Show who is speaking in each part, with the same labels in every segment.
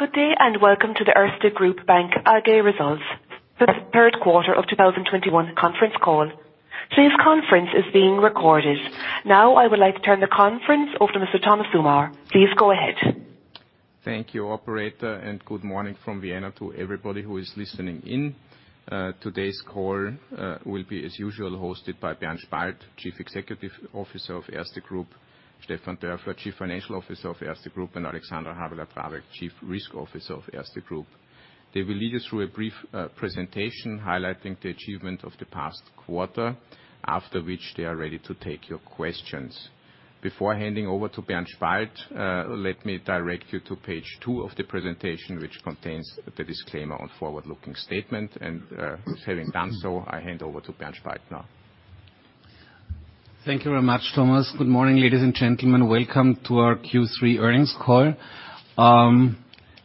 Speaker 1: Good day, and welcome to the Erste Group Bank AG results for the third quarter of 2021 conference call. Today's conference is being recorded. Now I would like to turn the conference over to Mr. Thomas Sommerauer. Please go ahead.
Speaker 2: Thank you operator, and good morning from Vienna to everybody who is listening in. Today's call will be as usual hosted by Bernd Spalt, Chief Executive Officer of Erste Group, Stefan Dörfler, Chief Financial Officer of Erste Group, and Alexandra Habeler-Drabek, Chief Risk Officer of Erste Group. They will lead us through a brief presentation highlighting the achievement of the past quarter, after which they are ready to take your questions. Before handing over to Bernd Spalt, let me direct you to page two of the presentation, which contains the disclaimer on forward-looking statement. Having done so, I hand over to Bernd Spalt now.
Speaker 3: Thank you very much, Thomas. Good morning, ladies and gentlemen. Welcome to our Q3 earnings call.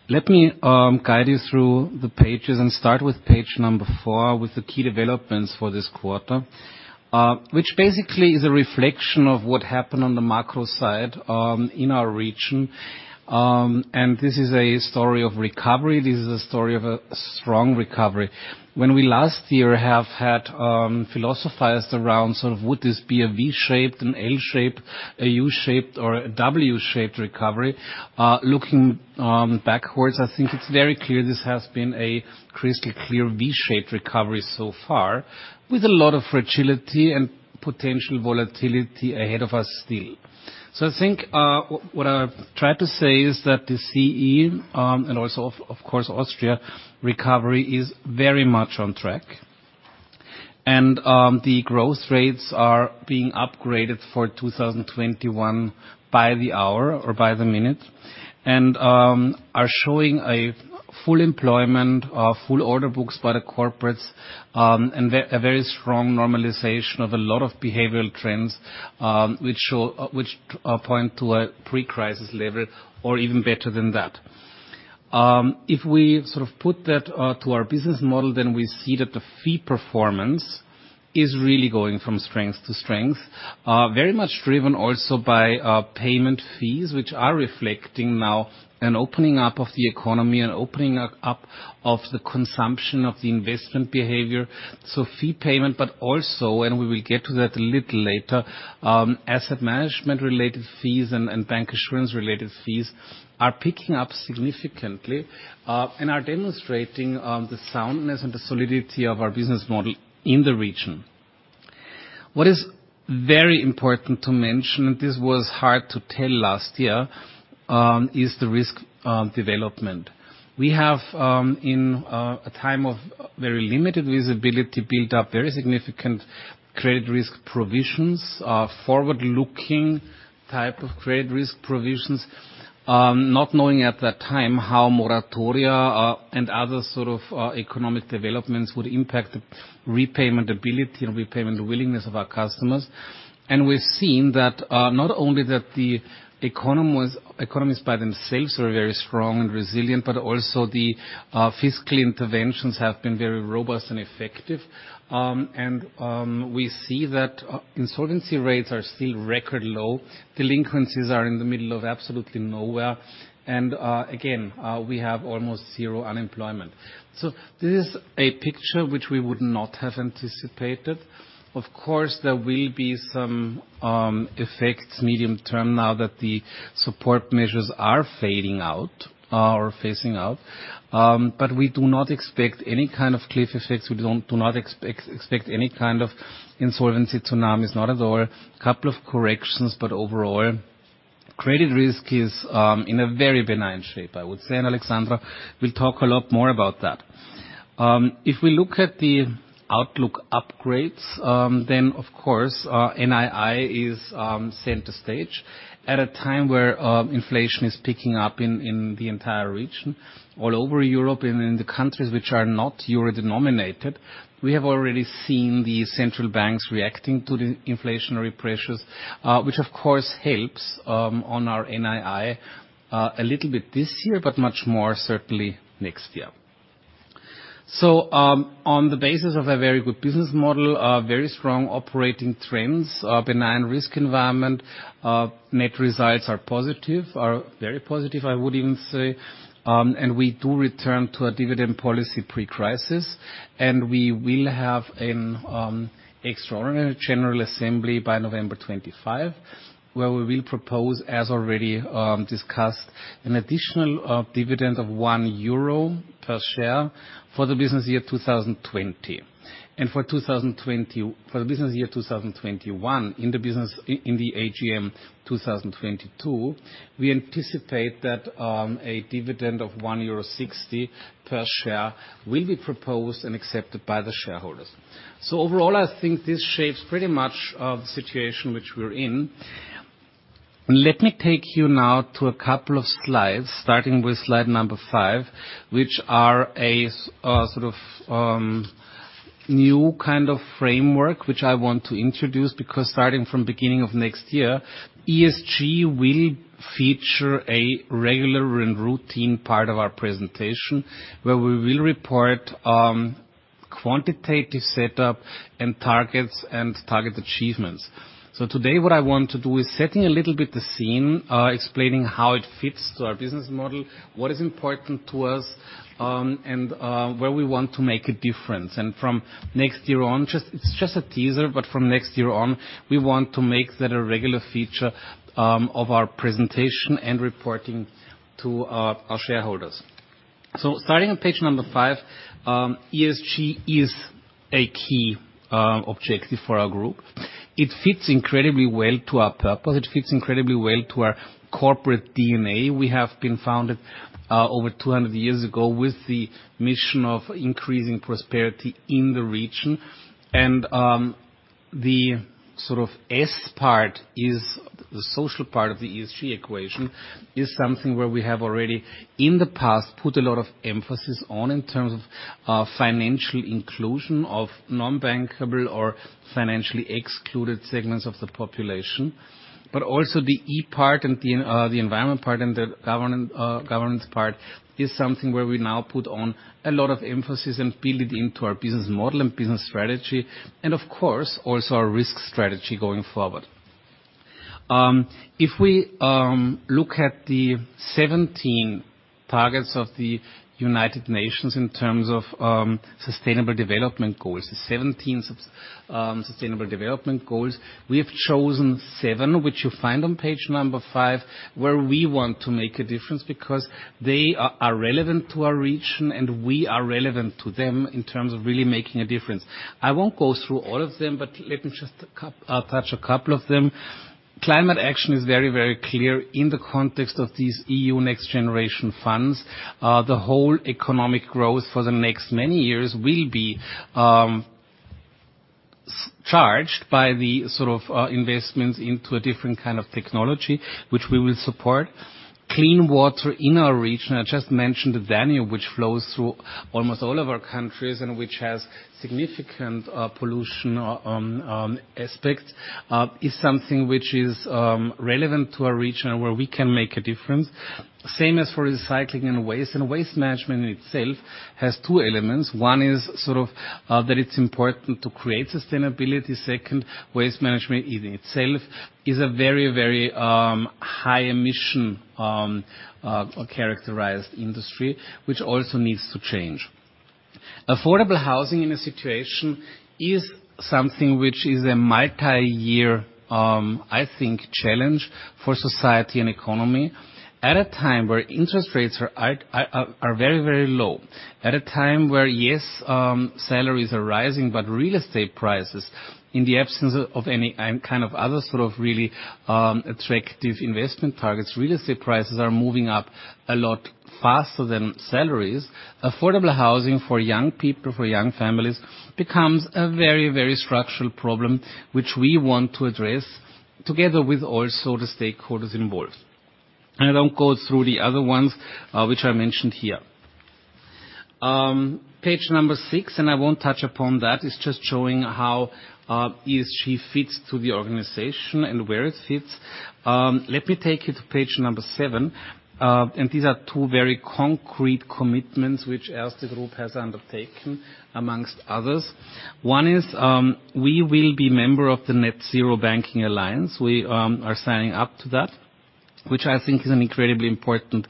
Speaker 3: Let me guide you through the pages and start with page number four with the key developments for this quarter, which basically is a reflection of what happened on the macro side in our region. This is a story of recovery, this is a story of a strong recovery. When we last year have had philosophers around sort of would this be a V-shaped, an L shape, a U-shaped or a W-shaped recovery. Looking backwards, I think it's very clear this has been a crystal clear V-shaped recovery so far, with a lot of fragility and potential volatility ahead of us still. I think what I've tried to say is that the CEE and also of course Austria recovery is very much on track. The growth rates are being upgraded for 2021 by the hour or by the minute. They are showing full employment, full order books by the corporates, and a very strong normalization of a lot of behavioral trends, which point to a pre-crisis level or even better than that. If we sort of put that to our business model, then we see that the fee performance is really going from strength to strength. Very much driven also by payment fees, which are reflecting now an opening up of the economy, an opening up of the consumption and investment behavior. Fee payment, but also, and we will get to that a little later, asset management related fees and Bancassurance related fees are picking up significantly, and are demonstrating the soundness and the solidity of our business model in the region. What is very important to mention, this was hard to tell last year, is the risk development. We have, in a time of very limited visibility built up very significant credit risk provisions, forward-looking type of credit risk provisions, not knowing at that time how moratoria and other sort of economic developments would impact the repayment ability and repayment willingness of our customers. We've seen that, not only that the economies by themselves are very strong and resilient, but also the fiscal interventions have been very robust and effective. We see that insolvency rates are still record low. Delinquencies are in the middle of absolutely nowhere. Again, we have almost zero unemployment. This is a picture which we would not have anticipated. Of course, there will be some effects medium term now that the support measures are fading out or phasing out. We do not expect any kind of cliff effects. We do not expect any kind of insolvency tsunamis, not at all. Couple of corrections, but overall, credit risk is in a very benign shape, I would say. Alexandra will talk a lot more about that. If we look at the outlook upgrades, then of course, NII is center stage. At a time where inflation is picking up in the entire region, all over Europe and in the countries which are not euro-denominated, we have already seen the central banks reacting to the inflationary pressures, which of course helps on our NII a little bit this year, but much more certainly next year. On the basis of a very good business model, a very strong operating trends, a benign risk environment, net results are very positive, I would even say. We do return to our dividend policy pre-crisis, and we will have an extraordinary general assembly by November 25, where we will propose, as already discussed, an additional dividend of 1 euro per share for the business year 2020. For the business year 2021, in the AGM 2022, we anticipate that a dividend of 1.60 euro per share will be proposed and accepted by the shareholders. Overall, I think this shapes pretty much the situation which we're in. Let me take you now to a couple of slides, starting with slide number five, which are sort of a new kind of framework, which I want to introduce, because starting from beginning of next year, ESG will feature a regular and routine part of our presentation, where we will report quantitative setup and targets and target achievements. Today what I want to do is setting a little bit the scene, explaining how it fits to our business model, what is important to us, and where we want to make a difference. From next year on, just, it's just a teaser, but from next year on, we want to make that a regular feature of our presentation and reporting to our shareholders. Starting on page five, ESG is a key objective for our group. It fits incredibly well to our purpose. It fits incredibly well to our corporate DNA. We have been founded over 200 years ago with the mission of increasing prosperity in the region. The sort of S part is the social part of the ESG equation, is something where we have already, in the past, put a lot of emphasis on in terms of financial inclusion of non-bankable or financially excluded segments of the population. Also the E part and the environment part and the governance part is something where we now put on a lot of emphasis and build it into our business model and business strategy, and of course, also our risk strategy going forward. If we look at the 17 targets of the United Nations in terms of sustainable development goals, the 17 Sustainable Development Goals, we have chosen seven, which you find on page number five, where we want to make a difference because they are relevant to our region, and we are relevant to them in terms of really making a difference. I won't go through all of them, but let me just touch a couple of them. Climate action is very, very clear in the context of these NextGenerationEU funds. The whole economic growth for the next many years will be charged by the sort of investments into a different kind of technology, which we will support. Clean water in our region, I just mentioned the Danube, which flows through almost all of our countries and which has significant pollution on aspect is something which is relevant to our region where we can make a difference. Same as for recycling and waste. Waste management in itself has two elements. One is sort of that it's important to create sustainability. Second, waste management in itself is a very high emission characterized industry, which also needs to change. Affordable housing in a situation is something which is a multi-year I think challenge for society and economy. At a time where interest rates are at very low, at a time where salaries are rising, but real estate prices, in the absence of any kind of other sort of really attractive investment targets, real estate prices are moving up a lot faster than salaries. Affordable housing for young people, for young families, becomes a very structural problem which we want to address together with also the stakeholders involved. I don't go through the other ones which I mentioned here. Page number six, and I won't touch upon that. It's just showing how ESG fits to the organization and where it fits. Let me take you to page number seven. These are two very concrete commitments which Erste Group has undertaken among others. One is, we will be member of the Net-Zero Banking Alliance. We are signing up to that, which I think is an incredibly important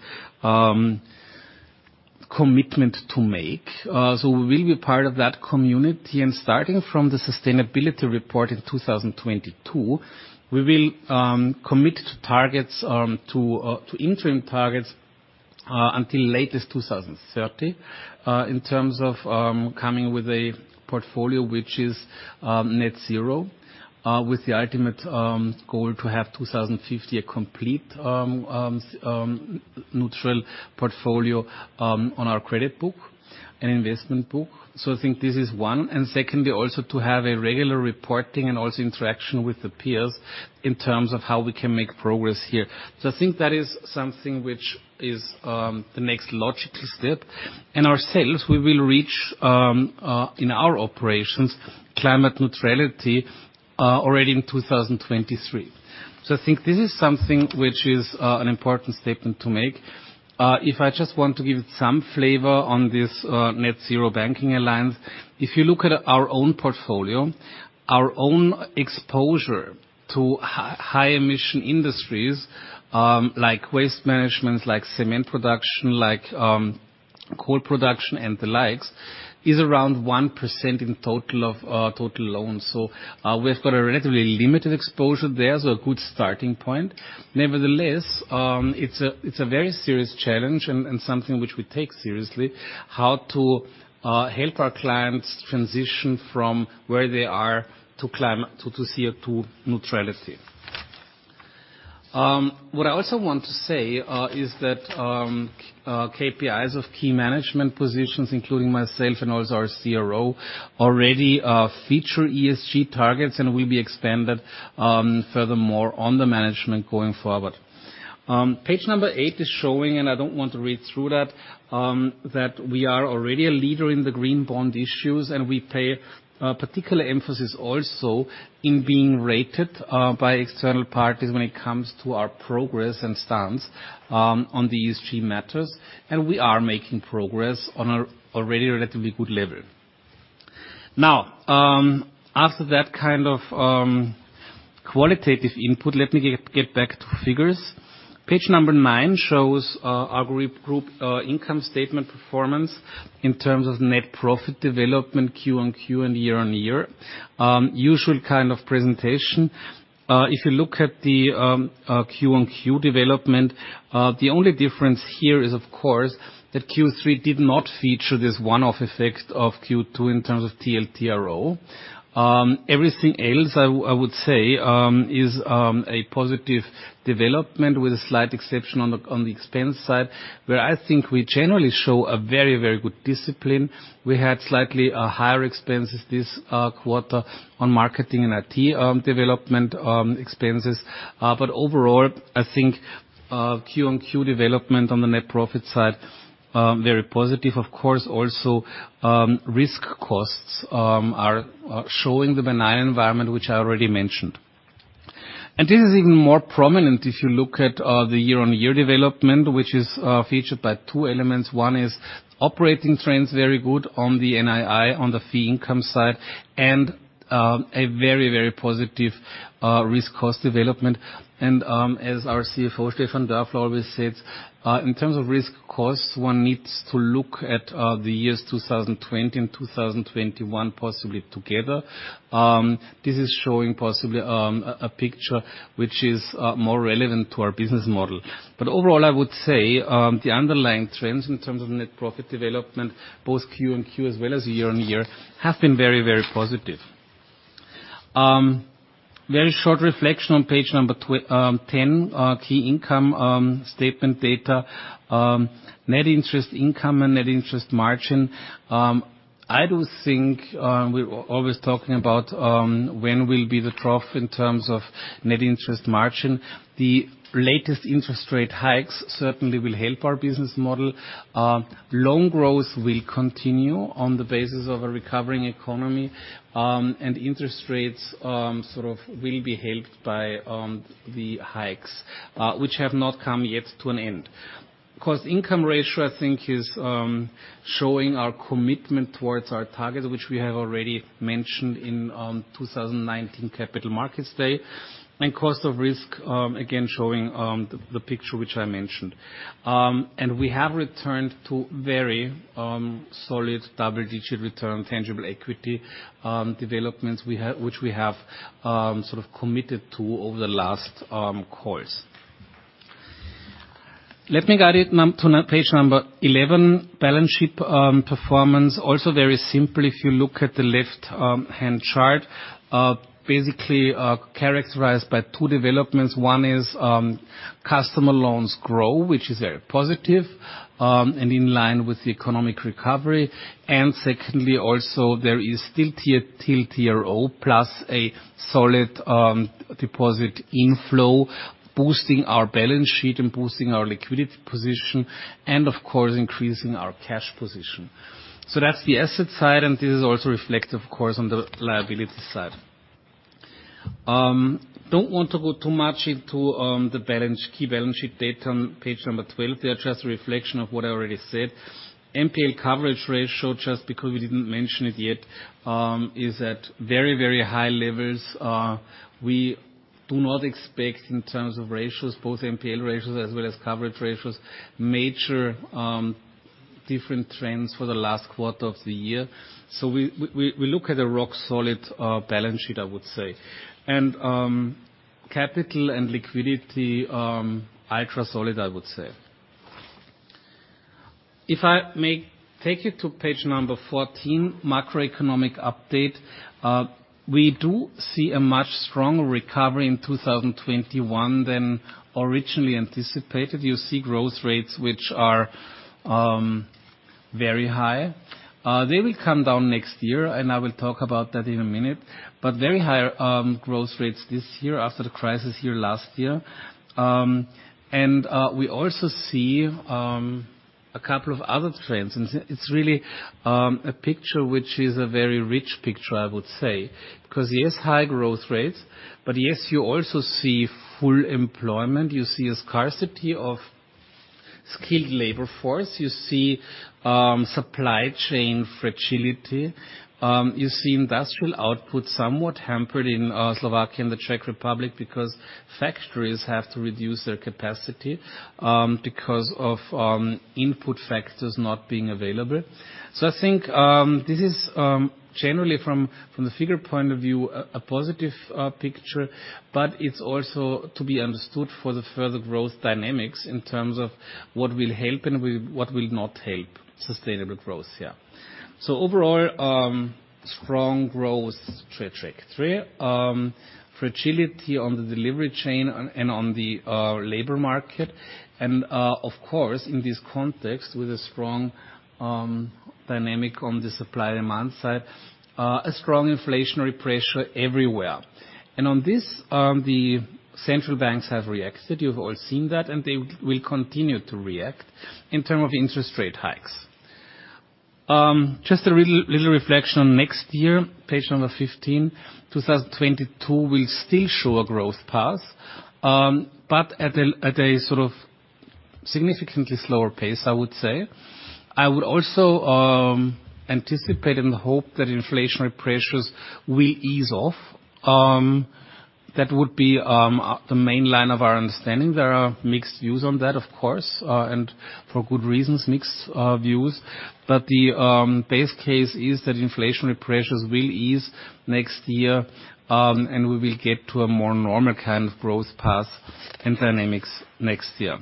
Speaker 3: commitment to make. We will be part of that community. Starting from the sustainability report in 2022, we will commit to targets to interim targets until latest 2030 in terms of coming with a portfolio which is net zero with the ultimate goal to have 2050 a complete neutral portfolio on our credit book and investment book. I think this is one, and secondly, also to have a regular reporting and also interaction with the peers in terms of how we can make progress here. I think that is something which is the next logical step. Ourselves, we will reach in our operations, climate neutrality already in 2023. I think this is something which is an important statement to make. If I just want to give some flavor on this, Net-Zero Banking Alliance, if you look at our own portfolio, our own exposure to high emission industries, like waste management, like cement production, like coal production and the likes, is around 1% in total of total loans. We've got a relatively limited exposure there, so a good starting point. Nevertheless, it's a very serious challenge and something which we take seriously, how to help our clients transition from where they are to CO₂ neutrality. What I also want to say is that KPIs of key management positions, including myself and also our CRO, already feature ESG targets and will be expanded furthermore on the management going forward. Page number eight is showing, and I don't want to read through that we are already a leader in the green bond issues, and we pay particular emphasis also in being rated by external parties when it comes to our progress and stance on the ESG matters, and we are making progress on a already relatively good level. Now, after that kind of qualitative input, let me get back to figures. Page number nine shows our group income statement performance in terms of net profit development Q-on-Q and year-on-year. Usual kind of presentation. If you look at the Q-on-Q development, the only difference here is, of course, that Q3 did not feature this one-off effect of Q2 in terms of TLTRO. Everything else, I would say, is a positive development with a slight exception on the expense side, where I think we generally show a very, very good discipline. We had slightly higher expenses this quarter on marketing and IT development expenses. But overall, I think Q-on-Q development on the net profit side very positive. Of course, also, risk costs are showing the benign environment which I already mentioned. This is even more prominent if you look at the year-on-year development, which is featured by two elements. One is operating trends very good on the NII, on the fee income side, and a very, very positive risk cost development. As our CFO, Stefan Dörfler always said, in terms of risk costs, one needs to look at the years 2020 and 2021 possibly together. This is showing possibly a picture which is more relevant to our business model. Overall, I would say the underlying trends in terms of net profit development, both Q-on-Q as well as year-on-year, have been very, very positive. Very short reflection on page number 10. Key income statement data. Net interest income and net interest margin. I do think we're always talking about when the trough will be in terms of net interest margin. The latest interest rate hikes certainly will help our business model. Loan growth will continue on the basis of a recovering economy, and interest rates sort of will be helped by the hikes, which have not come yet to an end. Cost-to-income ratio, I think, is showing our commitment towards our target, which we have already mentioned in 2019 Capital Markets Day. Cost of risk, again, showing the picture which I mentioned. We have returned to very solid double-digit return on tangible equity developments which we have sort of committed to over the last course. Let me guide you to page 11, balance sheet performance. It is very simple if you look at the left-hand chart. Basically, it is characterized by two developments. One is customer loans grow, which is very positive, and in line with the economic recovery. Secondly, also there is still TLTRO plus a solid deposit inflow boosting our balance sheet and boosting our liquidity position and, of course, increasing our cash position. That's the asset side, and this is also reflected, of course, on the liability side. Don't want to go too much into the balance, key balance sheet data on page 12. They are just a reflection of what I already said. NPL coverage ratio, just because we didn't mention it yet, is at very, very high levels. We do not expect in terms of ratios, both NPL ratios as well as coverage ratios, major different trends for the last quarter of the year. We look at a rock-solid balance sheet, capital and liquidity ultra solid, I would say. If I may take you to page 14, macroeconomic update. We do see a much stronger recovery in 2021 than originally anticipated. You see growth rates which are very high. They will come down next year, and I will talk about that in a minute. Very high growth rates this year after the crisis here last year. We also see a couple of other trends, and it's really a picture which is a very rich picture, I would say. Because yes, high growth rates, but yes, you also see full employment, you see a scarcity of skilled labor force, you see supply chain fragility, you see industrial output somewhat hampered in Slovakia and the Czech Republic because factories have to reduce their capacity because of input factors not being available. I think this is generally from the bigger point of view a positive picture, but it's also to be understood for the further growth dynamics in terms of what will help and what will not help sustainable growth here. Overall, strong growth trajectory. Fragility on the supply chain and on the labor market. Of course, in this context, with a strong dynamic on the supply and demand side, a strong inflationary pressure everywhere. On this, the central banks have reacted. You've all seen that, and they will continue to react in terms of interest rate hikes. Just a little reflection on next year, page number 15. 2022 will still show a growth path, but at a sort of significantly slower pace, I would say. I would also anticipate and hope that inflationary pressures will ease off. That would be the main line of our understanding. There are mixed views on that, of course, and for good reasons, mixed views. But the base case is that inflationary pressures will ease next year, and we will get to a more normal kind of growth path and dynamics next year.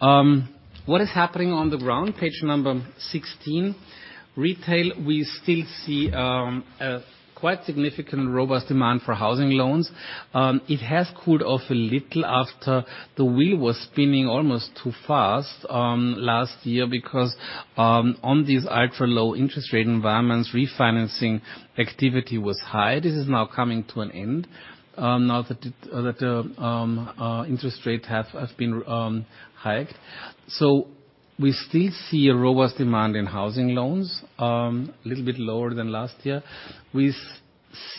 Speaker 3: What is happening on the ground, page number 16. Retail, we still see a quite significant robust demand for housing loans. It has cooled off a little after the wheel was spinning almost too fast last year because on these ultra-low interest rate environments, refinancing activity was high. This is now coming to an end now that interest rates have been hiked. We still see a robust demand in housing loans, a little bit lower than last year. We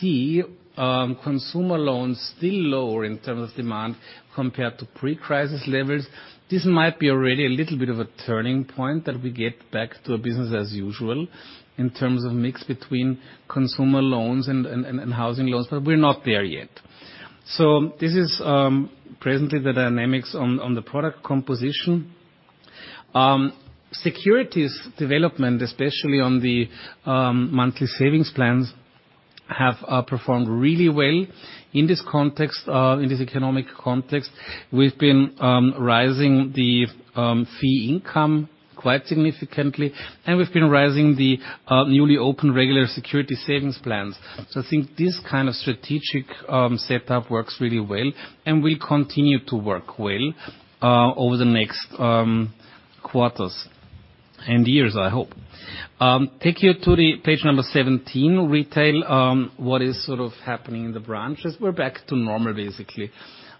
Speaker 3: see consumer loans still lower in terms of demand compared to pre-crisis levels. This might be already a little bit of a turning point that we get back to business as usual in terms of mix between consumer loans and housing loans, but we're not there yet. This is presently the dynamics on the product composition. Securities development, especially on the monthly savings plans, have performed really well in this context, in this economic context. We've been raising the fee income quite significantly, and we've been raising the newly opened regular security savings plans. I think this kind of strategic setup works really well and will continue to work well over the next quarters and years, I hope. Let me take you to page 17, retail, what is sort of happening in the branches. We're back to normal, basically.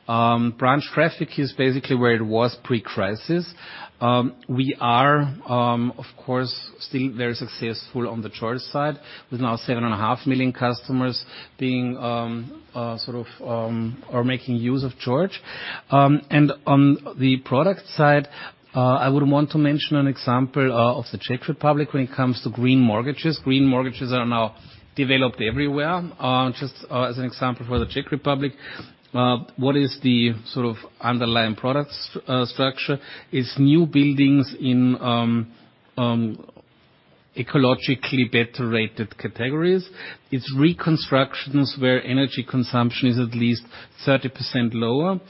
Speaker 3: Branch traffic is basically where it was pre-crisis. We are, of course, still very successful on the George side, with now 7.5 million customers being sort of or making use of George. On the product side, I would want to mention an example of the Czech Republic when it comes to green mortgages. Green mortgages are now developed everywhere. Just as an example for the Czech Republic, what is the sort of underlying products structure is new buildings in ecologically better rated categories. It's reconstructions where energy consumption is at least 30% lower.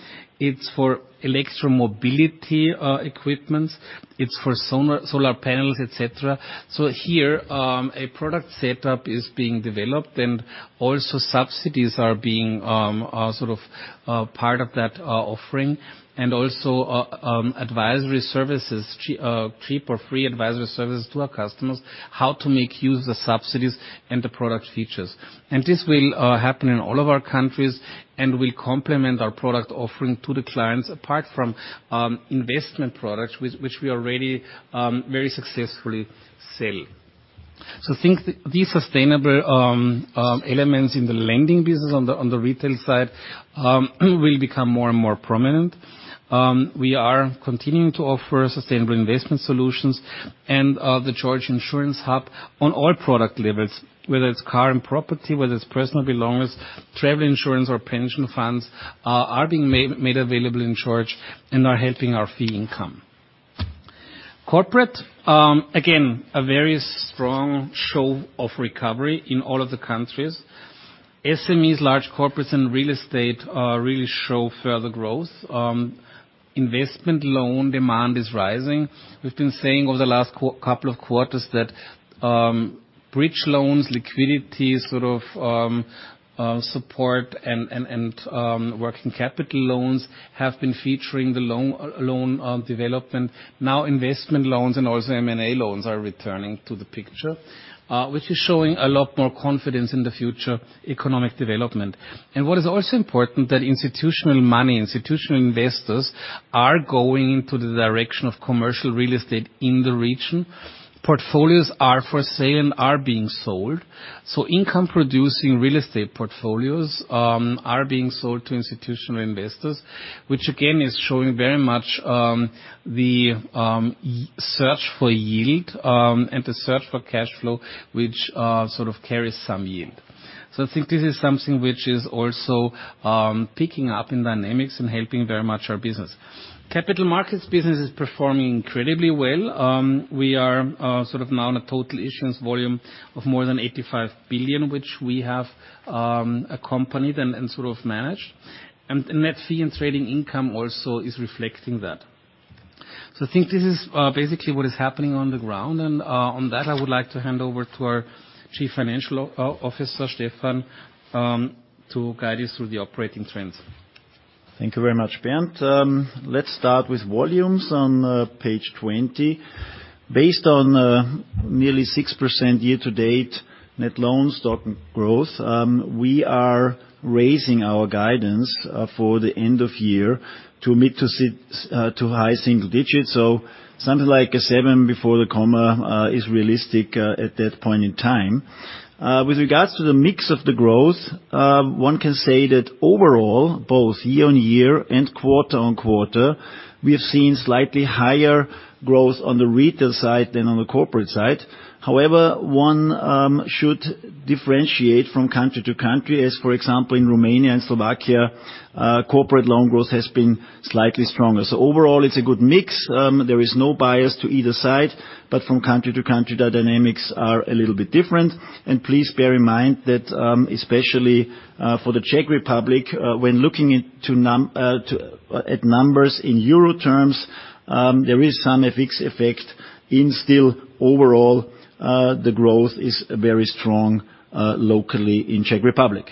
Speaker 3: It's for electromobility equipment, it's for solar panels, et cetera. Here, a product setup is being developed, and also subsidies are being sort of part of that offering, and also advisory services, cheap or free advisory services to our customers, how to make use of the subsidies and the product features. This will happen in all of our countries and will complement our product offering to the clients, apart from investment products with which we already very successfully sell. I think these sustainable elements in the lending business on the retail side will become more and more prominent. We are continuing to offer sustainable investment solutions and the George Insurance Hub on all product levels, whether it's car and property, whether it's personal belongings, travel insurance or pension funds are being made available in George and are helping our fee income. Corporate, again, a very strong show of recovery in all of the countries. SMEs, large corporates and real estate really show further growth. Investment loan demand is rising. We've been saying over the last couple of quarters that bridge loans, liquidity sort of support and working capital loans have been featuring the loan development. Now investment loans and also M&A loans are returning to the picture, which is showing a lot more confidence in the future economic development. What is also important, that institutional money, institutional investors are going into the direction of commercial real estate in the region. Portfolios are for sale and are being sold. Income-producing real estate portfolios are being sold to institutional investors, which again is showing very much the search for yield and the search for cash flow, which sort of carries some yield. I think this is something which is also picking up in dynamics and helping very much our business. Capital markets business is performing incredibly well. We are sort of now on a total issuance volume of more than 85 billion, which we have accompanied and sort of managed. Net fee and trading income also is reflecting that. I think this is basically what is happening on the ground. On that, I would like to hand over to our Chief Financial Officer, Stefan, to guide us through the operating trends.
Speaker 4: Thank you very much, Bernd. Let's start with volumes on page 20. Based on nearly 6% year-to-date net loans stock growth, we are raising our guidance for the end of year to high single digits. Something like seven before the comma is realistic at that point in time. With regards to the mix of the growth, one can say that overall, both year-on-year and quarter-on-quarter, we have seen slightly higher growth on the retail side than on the corporate side. However, one should differentiate from country to country, as, for example, in Romania and Slovakia, corporate loan growth has been slightly stronger. Overall, it's a good mix. There is no bias to either side, but from country to country, the dynamics are a little bit different. Please bear in mind that, especially, for the Czech Republic, when looking at numbers in euro terms, there is some FX effect. Still overall, the growth is very strong locally in the Czech Republic.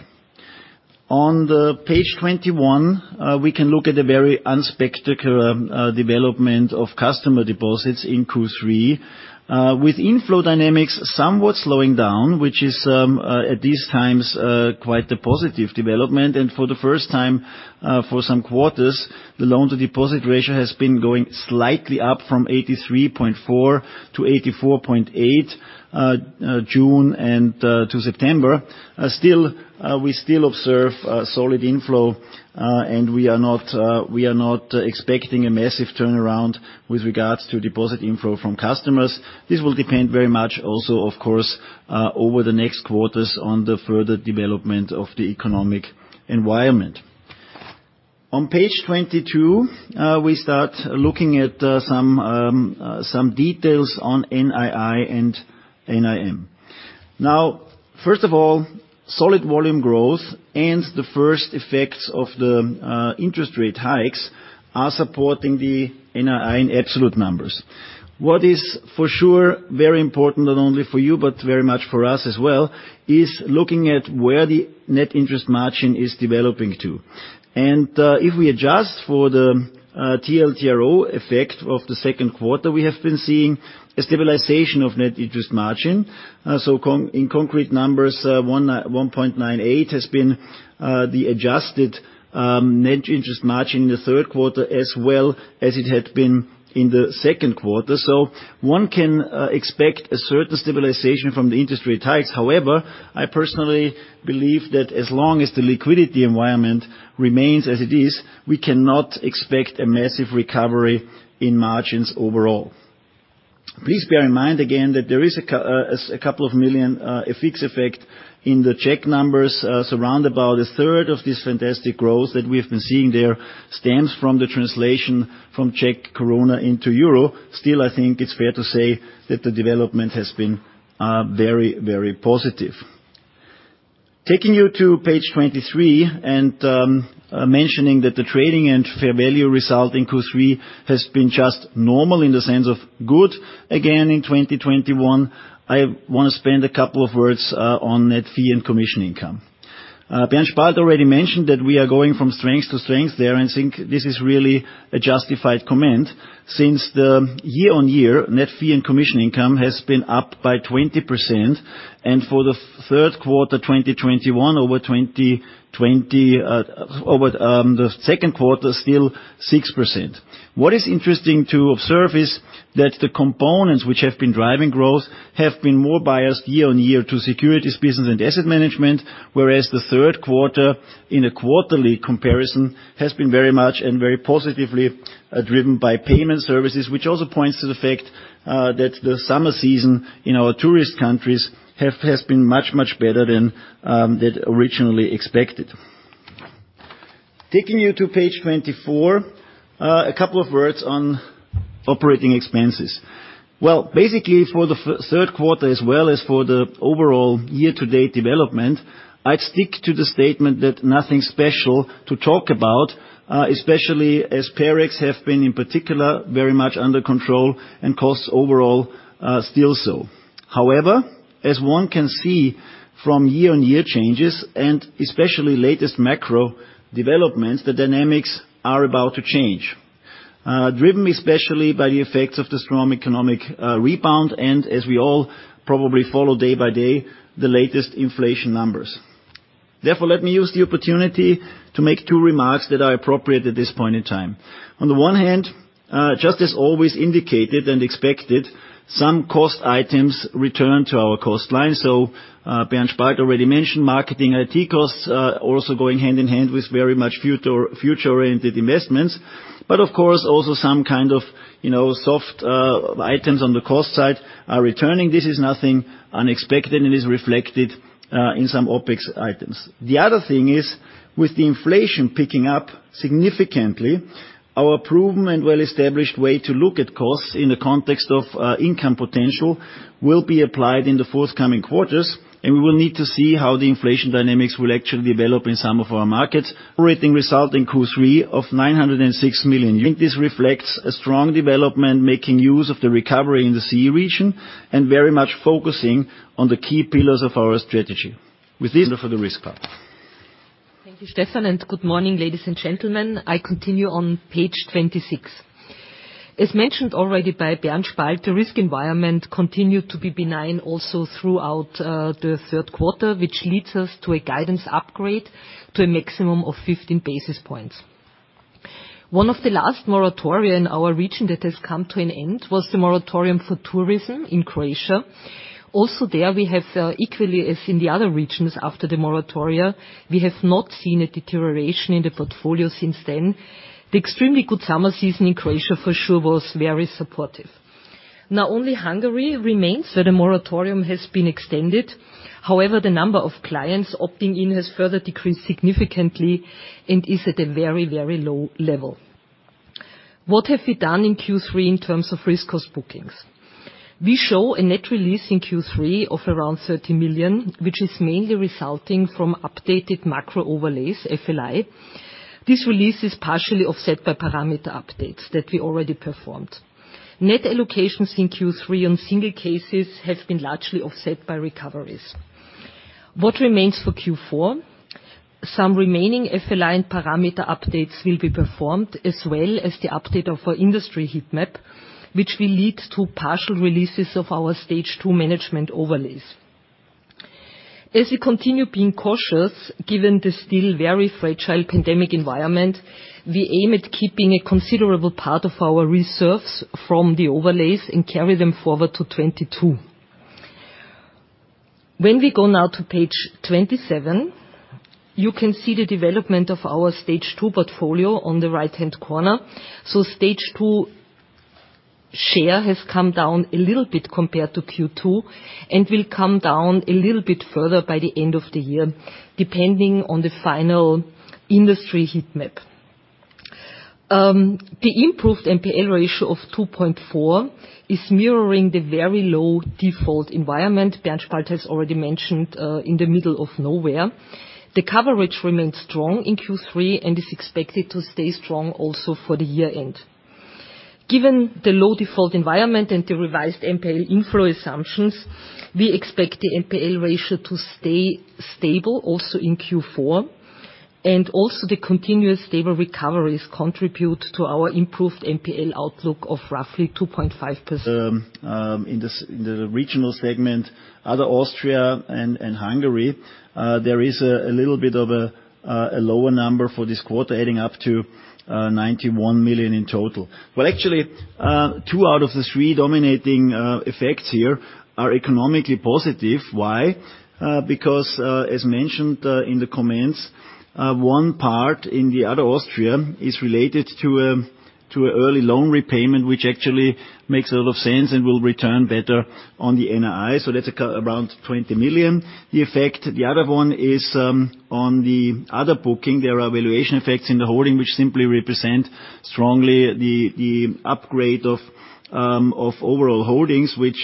Speaker 4: On page 21, we can look at the very unspectacular development of customer deposits in Q3 with inflow dynamics somewhat slowing down, which is at these times quite a positive development. For the first time for some quarters, the loan-to-deposit ratio has been going slightly up from 83.4% to 84.8% from June to September. Still, we still observe solid inflow, and we are not expecting a massive turnaround with regards to deposit inflow from customers. This will depend very much also, of course, over the next quarters on the further development of the economic environment. On page 22, we start looking at some details on NII and NIM. Now, first of all, solid volume growth and the first effects of the interest rate hikes are supporting the NII in absolute numbers. What is for sure very important, not only for you, but very much for us as well, is looking at where the net interest margin is developing to. If we adjust for the TLTRO effect of the second quarter, we have been seeing a stabilization of net interest margin. In concrete numbers, 1.98% has been the adjusted net interest margin in the third quarter as well as it had been in the second quarter. One can expect a certain stabilization from the industry hikes. However, I personally believe that as long as the liquidity environment remains as it is, we cannot expect a massive recovery in margins overall. Please bear in mind again that there is 2 million FX effect in the Czech numbers, so around about a third of this fantastic growth that we have been seeing there stems from the translation from Czech koruna into euro. Still, I think it's fair to say that the development has been very, very positive. Taking you to page 23 and mentioning that the trading and fair value result in Q3 has been just normal in the sense of good. Again, in 2021, I wanna spend a couple of words on Net Fee and Commission Income. Bernd Spalt already mentioned that we are going from strength to strength there, and I think this is really a justified comment. Since the year-on-year net fee and commission Income has been up by 20%, and for the third quarter 2021 over 2020, over the second quarter, still 6%. What is interesting to observe is that the components which have been driving growth have been more biased year-on-year to securities business and asset management, whereas the third quarter in a quarterly comparison has been very much and very positively driven by payment services, which also points to the fact that the summer season in our tourist countries has been much better than originally expected. Taking you to page 24, a couple of words on operating expenses. Well, basically for the third quarter as well as for the overall year-to-date development, I'd stick to the statement that nothing special to talk about, especially as OpEx have been, in particular, very much under control and costs overall are still so. However, as one can see from year-on-year changes, and especially latest macro developments, the dynamics are about to change, driven especially by the effects of the strong economic rebound and, as we all probably follow day by day, the latest inflation numbers. Therefore, let me use the opportunity to make two remarks that are appropriate at this point in time. On the one hand, just as always indicated and expected, some cost items return to our cost line. So, Bernd Spalt already mentioned marketing, IT costs are also going hand-in-hand with very much future-oriented investments. Of course, also some kind of, you know, soft items on the cost side are returning. This is nothing unexpected and is reflected in some OpEx items. The other thing is, with the inflation picking up significantly, our proven and well-established way to look at costs in the context of income potential will be applied in the forthcoming quarters, and we will need to see how the inflation dynamics will actually develop in some of our markets. Operating result in Q3 of 906 million. I think this reflects a strong development making use of the recovery in the CE region and very much focusing on the key pillars of our strategy. For the risk part.
Speaker 5: Thank you, Stefan, and good morning, ladies and gentlemen. I continue on page 26. As mentioned already by Bernd Spalt, the risk environment continued to be benign also throughout the third quarter, which leads us to a guidance upgrade to a maximum of 15 basis points. One of the last moratoria in our region that has come to an end was the moratorium for tourism in Croatia. Also there, we have equally as in the other regions after the moratoria, we have not seen a deterioration in the portfolio since then. The extremely good summer season in Croatia for sure was very supportive. Now only Hungary remains, so the moratorium has been extended. However, the number of clients opting in has further decreased significantly and is at a very, very low level. What have we done in Q3 in terms of risk cost bookings? We show a net release in Q3 of around 30 million, which is mainly resulting from updated macro overlays, FLI. This release is partially offset by parameter updates that we already performed. Net allocations in Q3 on single cases have been largely offset by recoveries. What remains for Q4? Some remaining FLI and parameter updates will be performed, as well as the update of our industry heat map, which will lead to partial releases of our stage two management overlays. As we continue being cautious, given the still very fragile pandemic environment, we aim at keeping a considerable part of our reserves from the overlays and carry them forward to 2022. When we go now to page 27, you can see the development of our stage two portfolio on the right-hand corner. Stage 2 share has come down a little bit compared to Q2 and will come down a little bit further by the end of the year, depending on the final industry heat map. The improved NPL ratio of 2.4% is mirroring the very low default environment Bernd Spalt has already mentioned in the middle of nowhere. The coverage remains strong in Q3 and is expected to stay strong also for the year-end. Given the low default environment and the revised NPL inflow assumptions, we expect the NPL ratio to stay stable also in Q4. Also the continuous stable recoveries contribute to our improved NPL outlook of roughly 2.5%.
Speaker 4: In the regional segment, Other Austria and Hungary, there is a little bit of a lower number for this quarter, adding up to 91 million in total. Well, actually, two out of the three dominating effects here are economically positive. Why? Because, as mentioned in the comments, one part in Other Austria is related to early loan repayment, which actually makes a lot of sense and will return better on the NII. So that's around 20 million, the effect. The other one is on the other booking. There are valuation effects in the holding which simply represent strongly the upgrade of overall holdings, which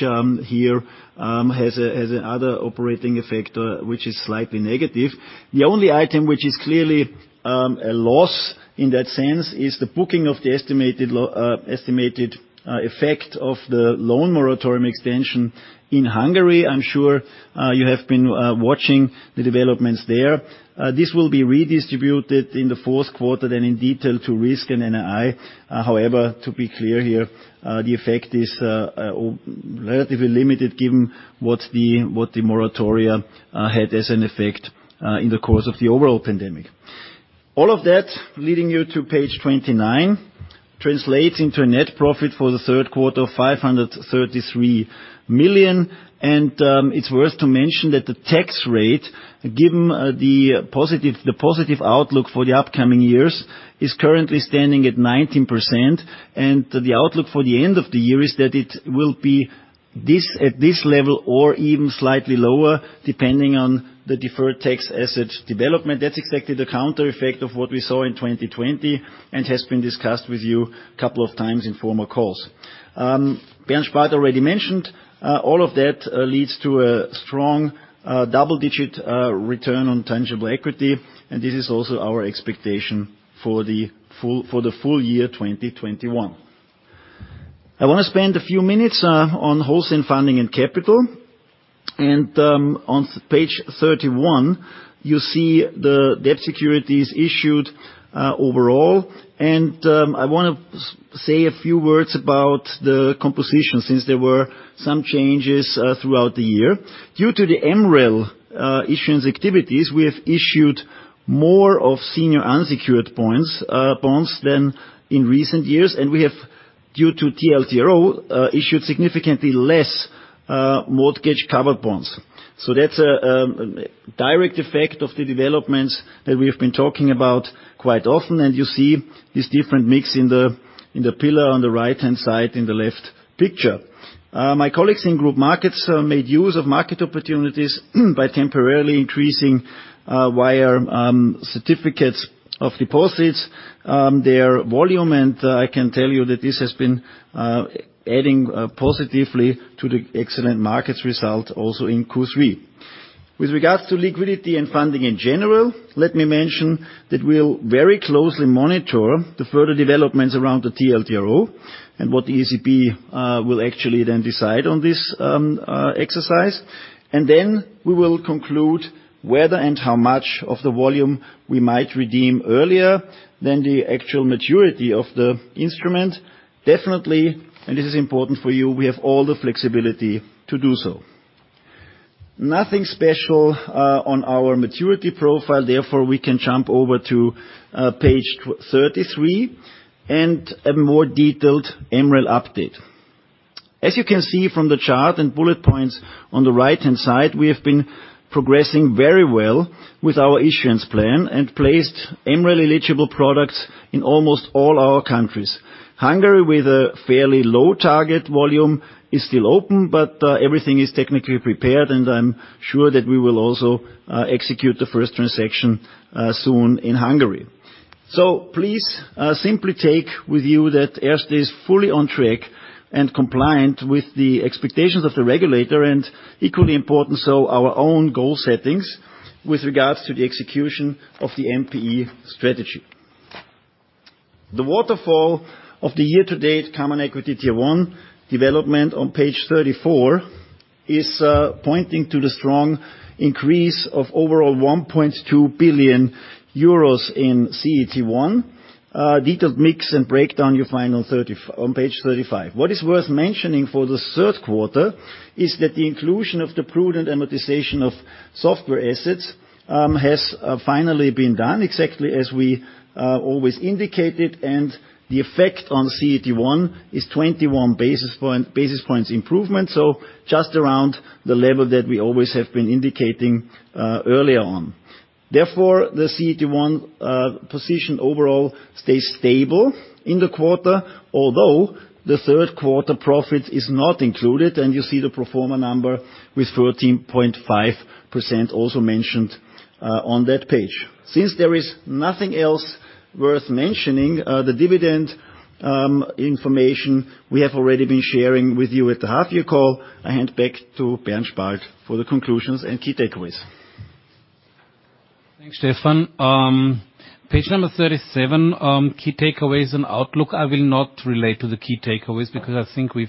Speaker 4: here has another operating effect, which is slightly negative. The only item which is clearly a loss in that sense is the booking of the estimated effect of the loan moratorium extension in Hungary. I'm sure you have been watching the developments there. This will be redistributed in the fourth quarter then in detail to risk and NII. However, to be clear here, the effect is relatively limited given what the moratoria had as an effect in the course of the overall pandemic. All of that, leading you to page 29, translates into a net profit for the third quarter of 533 million. It's worth to mention that the tax rate, given the positive outlook for the upcoming years, is currently standing at 19%. The outlook for the end of the year is that it will be this, at this level or even slightly lower, depending on the deferred tax asset development. That's exactly the counter effect of what we saw in 2020 and has been discussed with you a couple of times in former calls. Bernd Spalt already mentioned, all of that leads to a strong, double-digit return on tangible equity, and this is also our expectation for the full year 2021. I wanna spend a few minutes on wholesale funding and capital. On page 31, you see the debt securities issued, overall. I wanna say a few words about the composition since there were some changes throughout the year. Due to the MREL issuance activities, we have issued more senior unsecured bonds than in recent years, and we have, due to TLTRO, issued significantly less mortgage-covered bonds. That's a direct effect of the developments that we have been talking about quite often, and you see this different mix in the pillar on the right-hand side in the left picture. My colleagues in Group Markets made use of market opportunities by temporarily increasing via certificates of deposit their volume. I can tell you that this has been adding positively to the excellent markets result also in Q3. With regards to liquidity and funding in general, let me mention that we'll very closely monitor the further developments around the TLTRO and what the ECB will actually then decide on this exercise. We will conclude whether and how much of the volume we might redeem earlier than the actual maturity of the instrument. Definitely, and this is important for you, we have all the flexibility to do so. Nothing special on our maturity profile, therefore we can jump over to page 33 and a more detailed MREL update. As you can see from the chart and bullet points on the right-hand side, we have been progressing very well with our issuance plan and placed MREL-eligible products in almost all our countries. Hungary with a fairly low target volume is still open, but everything is technically prepared, and I'm sure that we will also execute the first transaction soon in Hungary. Please simply take with you that Erste is fully on track and compliant with the expectations of the regulator, and equally important, so our own goal settings with regards to the execution of the MPE strategy. The waterfall of the year-to-date Common Equity Tier 1 development on page 34 is pointing to the strong increase of overall 1.2 billion euros in CET1. Detailed mix and breakdown you'll find on page 35. What is worth mentioning for the third quarter is that the inclusion of the prudent amortization of software assets has finally been done exactly as we always indicated. The effect on CET1 is 21 basis points improvement, so just around the level that we always have been indicating earlier on. Therefore, the CET1 position overall stays stable in the quarter, although the third quarter profit is not included, and you see the pro forma number with 13.5% also mentioned on that page. Since there is nothing else worth mentioning, the dividend information we have already been sharing with you at the half year call. I hand back to Bernd Spalt for the conclusions and key takeaways.
Speaker 3: Thanks, Stefan. Page number 37, key takeaways and outlook, I will not relate to the key takeaways because I think we've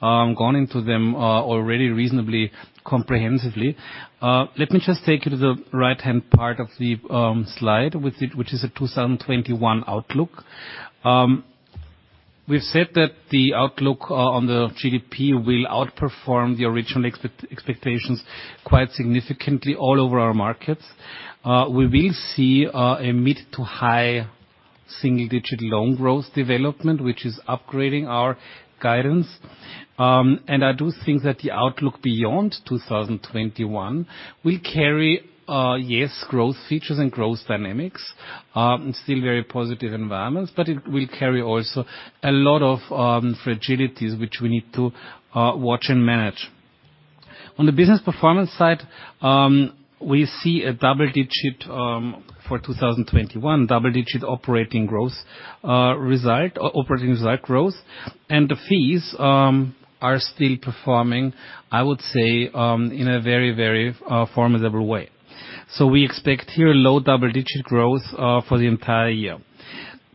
Speaker 3: gone into them already reasonably comprehensively. Let me just take you to the right-hand part of the slide with it, which is a 2021 outlook. We've said that the outlook on the GDP will outperform the original expectations quite significantly all over our markets. We will see a mid- to high-single-digit loan growth development, which is upgrading our guidance. I do think that the outlook beyond 2021 will carry yes, growth features and growth dynamics still very positive environments, but it will carry also a lot of fragilities which we need to watch and manage. On the business performance side, we see a double-digit for 2021, double-digit operating growth, result or operating result growth. The fees are still performing, I would say, in a very, very formidable way. We expect here low double-digit growth for the entire year.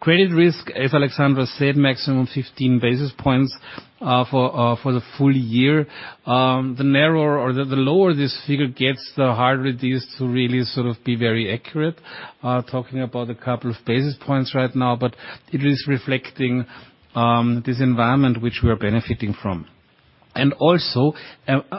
Speaker 3: Credit risk, as Alexandra said, maximum 15 basis points for the full year. The lower this figure gets, the harder it is to really sort of be very accurate talking about a couple of basis points right now, but it is reflecting this environment which we are benefiting from. Also,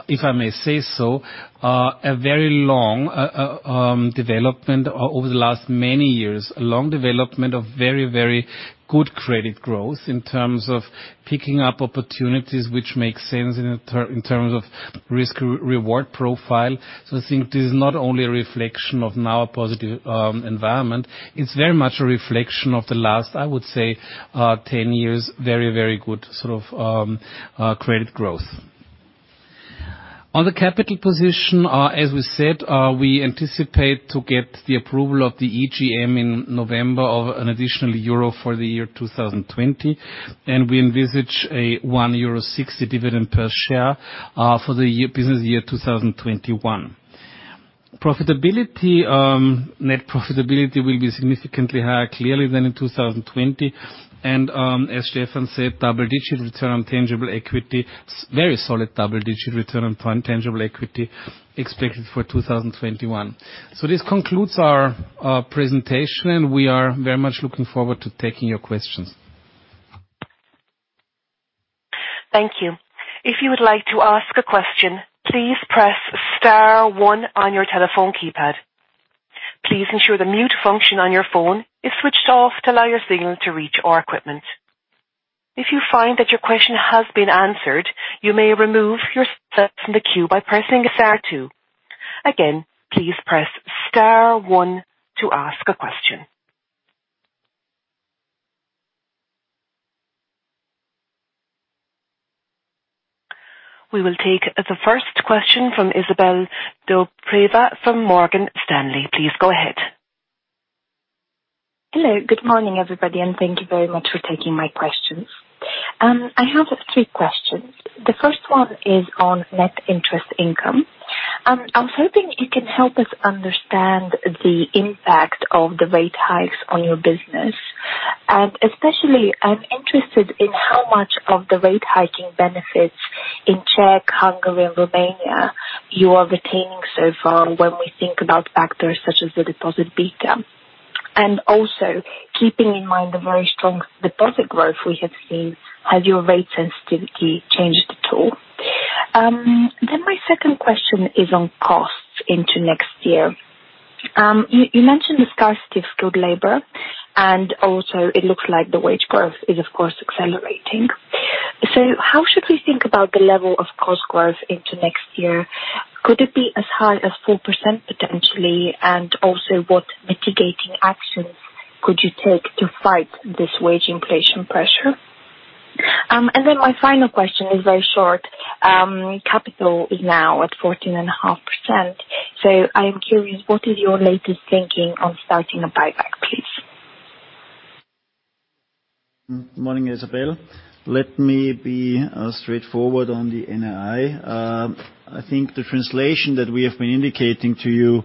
Speaker 3: if I may say so, a very long development over the last many years. A long development of very, very good credit growth in terms of picking up opportunities which make sense in terms of risk reward profile. I think this is not only a reflection of now a positive environment, it's very much a reflection of the last, I would say, 10 years, very, very good sort of credit growth. On the capital position, as we said, we anticipate to get the approval of the EGM in November of an additional EUR for the year 2020. We envisage a 1.60 euro dividend per share for the year, business year 2021. Profitability, net profitability will be significantly higher, clearly, than in 2020. As Stefan said, double-digit return on tangible equity, very solid double-digit return on tangible equity expected for 2021. This concludes our presentation, and we are very much looking forward to taking your questions.
Speaker 1: Thank you. If you would like to ask a question, please press star one on your telephone keypad. Please ensure the mute function on your phone is switched off to allow your signal to reach our equipment. If you find that your question has been answered, you may remove yourself from the queue by pressing star two. Again, please press star one to ask a question. We will take the first question from Izabel Dobreva from Morgan Stanley. Please go ahead.
Speaker 6: Hello. Good morning, everybody, and thank you very much for taking my questions. I have three questions. The first one is on Net Interest Income. I was hoping you can help us understand the impact of the rate hikes on your business. Especially I'm interested in how much of the rate hiking benefits in Czech, Hungary, and Romania you are retaining so far when we think about factors such as the deposit beta. Also keeping in mind the very strong deposit growth we have seen, has your rate sensitivity changed at all? Then my second question is on costs into next year. You mentioned the scarcity of skilled labor, and also it looks like the wage growth is of course accelerating. How should we think about the level of cost growth into next year? Could it be as high as 4% potentially? Also, what mitigating actions could you take to fight this wage inflation pressure? Then my final question is very short. Capital is now at 14.5%. I am curious, what is your latest thinking on starting a buyback, please?
Speaker 4: Morning, Izabel. Let me be straightforward on the NII. I think the translation that we have been indicating to you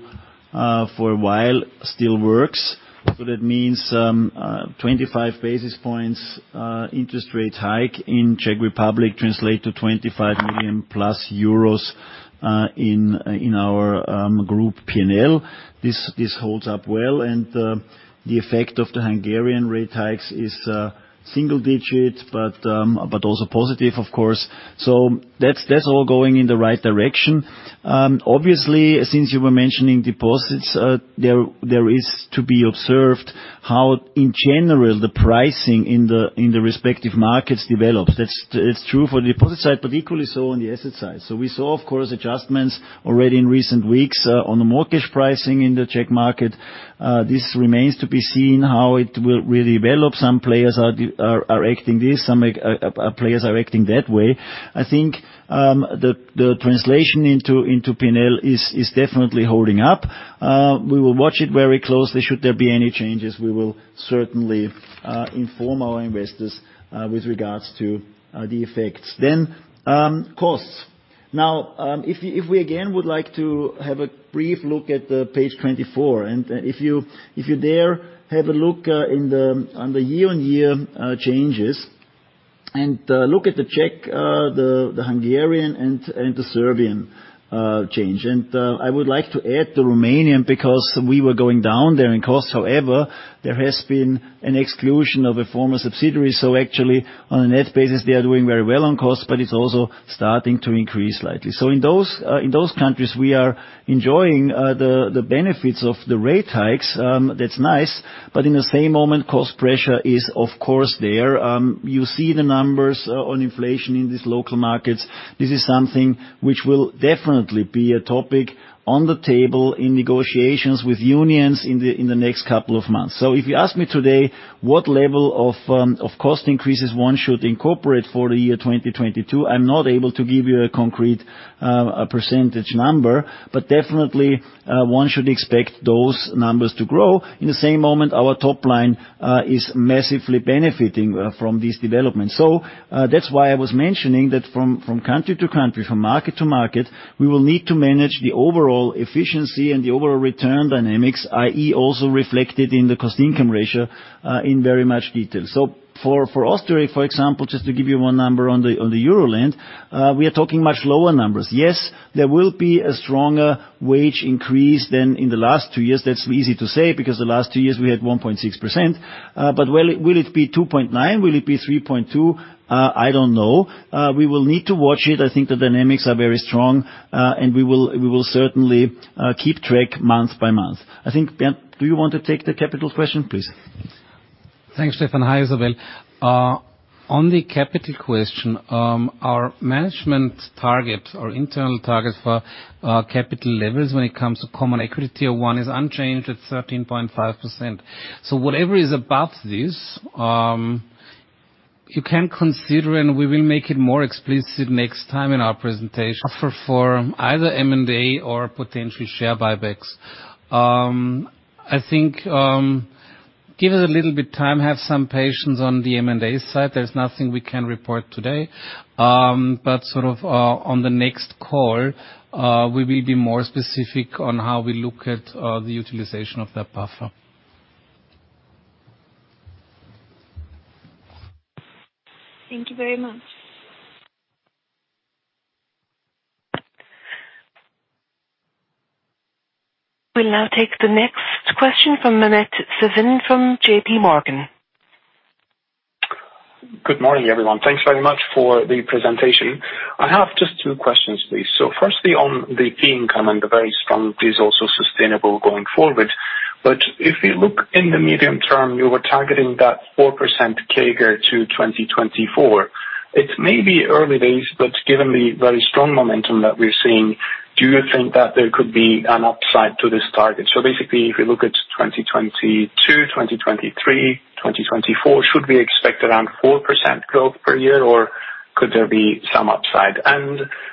Speaker 4: for a while still works. That means 25 basis points interest rate hike in Czech Republic translate to 25 million euros in our group P&L. This holds up well. The effect of the Hungarian rate hikes is single digit, but also positive of course. That's all going in the right direction. Obviously since you were mentioning deposits, there is to be observed how in general the pricing in the respective markets develops. That's true for deposit side, but equally so on the asset side. We saw of course adjustments already in recent weeks on the mortgage pricing in the Czech market. This remains to be seen how it will really develop. Some players are acting this way, some players are acting that way. I think the translation into P&L is definitely holding up. We will watch it very closely. Should there be any changes, we will certainly inform our investors with regards to the effects. Costs. If we again would like to have a brief look at page 24, and if you dare have a look on the year-on-year changes, and look at the Czech, the Hungarian and the Serbian change. I would like to add the Romanian because we were going down there in cost. However, there has been an exclusion of a former subsidiary. Actually on a net basis they are doing very well on cost, but it's also starting to increase slightly. In those countries we are enjoying the benefits of the rate hikes. That's nice. In the same moment, cost pressure is of course there. You see the numbers on inflation in these local markets. This is something which will definitely be a topic on the table in negotiations with unions in the next couple of months. If you ask me today what level of cost increases one should incorporate for the year 2022, I'm not able to give you a concrete percentage number, but definitely one should expect those numbers to grow. In the same moment, our top line is massively benefiting from these developments. That's why I was mentioning that from country to country, from market to market, we will need to manage the overall efficiency and the overall return dynamics. i.e., also reflected in the cost-income ratio in very much detail. For Austria, for example, just to give you one number on the Euro land, we are talking much lower numbers. Yes, there will be a stronger wage increase than in the last two years. That's easy to say because the last two years we had 1.6%. But will it be 2.9%? Will it be 3.2%? I don't know. We will need to watch it. I think the dynamics are very strong, and we will certainly keep track month by month. I think, Ben, do you want to take the capital question, please?
Speaker 3: Thanks, Stefan. Hi, Izabel. On the capital question, our management target, our internal target for capital levels when it comes to common equity one is unchanged at 13.5%. Whatever is above this, you can consider, and we will make it more explicit next time in our presentation for either M&A or potentially share buybacks. I think, give it a little bit time, have some patience on the M&A side. There's nothing we can report today. But sort of, on the next call, we will be more specific on how we look at the utilization of that buffer.
Speaker 6: Thank you very much.
Speaker 1: We'll now take the next question from Mehmet Sevim from JPMorgan.
Speaker 7: Good morning, everyone. Thanks very much for the presentation. I have just two questions, please. Firstly, on the fee income and the very strong fees also sustainable going forward, but if you look in the medium term, you were targeting that 4% CAGR to 2024. It may be early days, but given the very strong momentum that we're seeing, do you think that there could be an upside to this target? Basically, if you look at 2022, 2023, 2024, should we expect around 4% growth per year, or could there be some upside?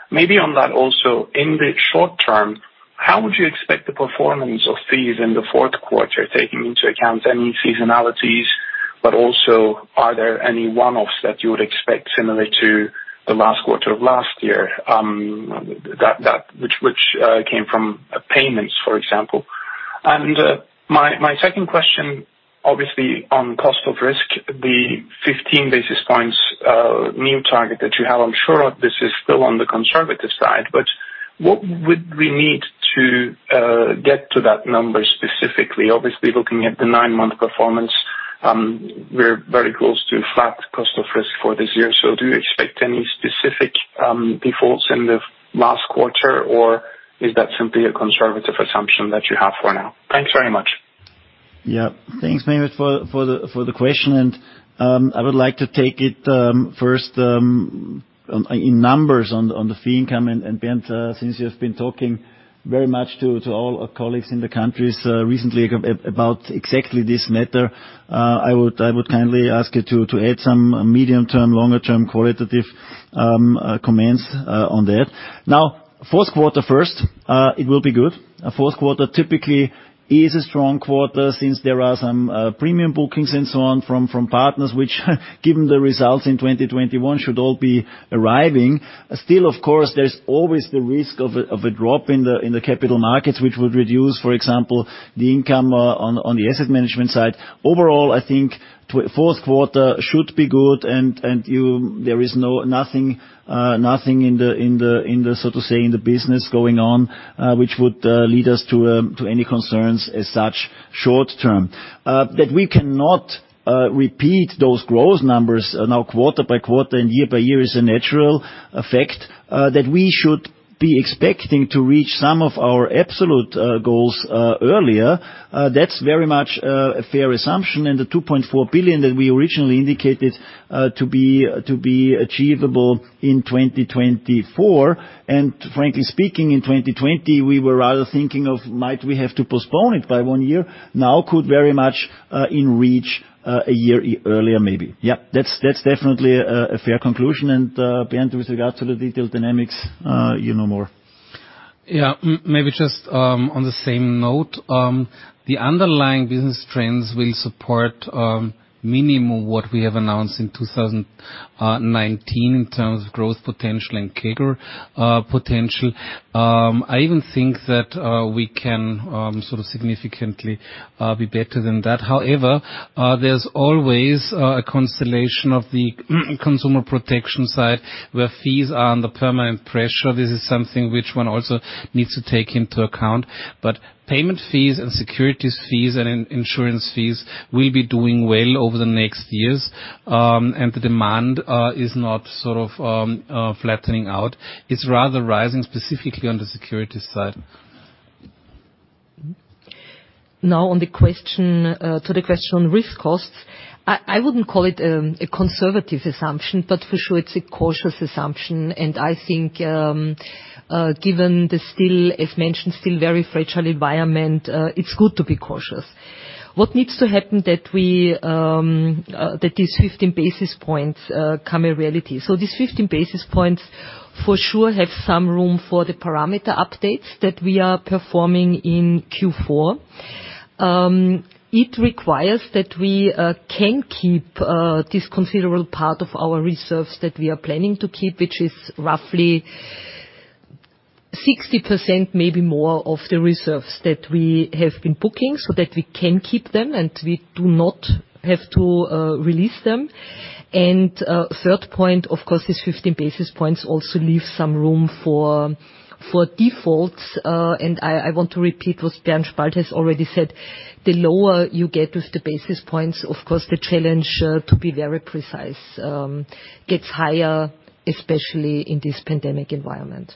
Speaker 7: Maybe on that also in the short term, how would you expect the performance of fees in the fourth quarter, taking into account any seasonalities? Also, are there any one-offs that you would expect similarly to the last quarter of last year, that which came from payments, for example? My second question obviously on cost of risk, the 15 basis points new target that you have. I'm sure this is still on the conservative side, but what would we need to get to that number specifically? Obviously, looking at the nine-month performance, we're very close to flat cost of risk for this year. Do you expect any specific defaults in the last quarter, or is that simply a conservative assumption that you have for now? Thanks very much.
Speaker 4: Thanks, Mehmet, for the question. I would like to take it first in numbers on the fee income. Bernd, since you've been talking very much to all our colleagues in the countries recently about exactly this matter, I would kindly ask you to add some medium term, longer term qualitative comments on that. Now, fourth quarter first, it will be good. A fourth quarter typically is a strong quarter since there are some premium bookings and so on from partners which given the results in 2021 should all be arriving. Still, of course, there's always the risk of a drop in the capital markets, which would reduce, for example, the income on the asset management side. Overall, I think fourth quarter should be good. There is nothing in the so to say, in the business going on, which would lead us to any concerns as such short-term. That we cannot repeat those growth numbers now quarter by quarter and year by year is a natural effect that we should be expecting to reach some of our absolute goals earlier. That's very much a fair assumption. The 2.4 billion that we originally indicated to be achievable in 2024. Frankly speaking, in 2020, we were rather thinking of might we have to postpone it by one year. Now could very much in reach a year earlier, maybe. Yeah, that's definitely a fair conclusion. Bernd, with regard to the detailed dynamics, you know more.
Speaker 3: Yeah. Maybe just on the same note, the underlying business trends will support minimum what we have announced in 2019 in terms of growth potential and CAGR potential. I even think that we can sort of significantly be better than that. However, there's always a constellation of the consumer protection side, where fees are under permanent pressure. This is something which one also needs to take into account. Payment fees and securities fees and insurance fees will be doing well over the next years, and the demand is not sort of flattening out. It's rather rising, specifically on the securities side.
Speaker 5: Now on the question on risk costs. I wouldn't call it a conservative assumption, but for sure it's a cautious assumption. I think, given the still, as mentioned, very fragile environment, it's good to be cautious. What needs to happen that these 15 basis points become a reality. These 15 basis points for sure have some room for the parameter updates that we are performing in Q4. It requires that we can keep this considerable part of our reserves that we are planning to keep, which is roughly 60%, maybe more of the reserves that we have been booking, so that we can keep them, and we do not have to release them. Third point, of course, these 15 basis points also leave some room for defaults. I want to repeat what Bernd Spalt has already said. The lower you get with the basis points, of course, the challenge to be very precise gets higher, especially in this pandemic environment.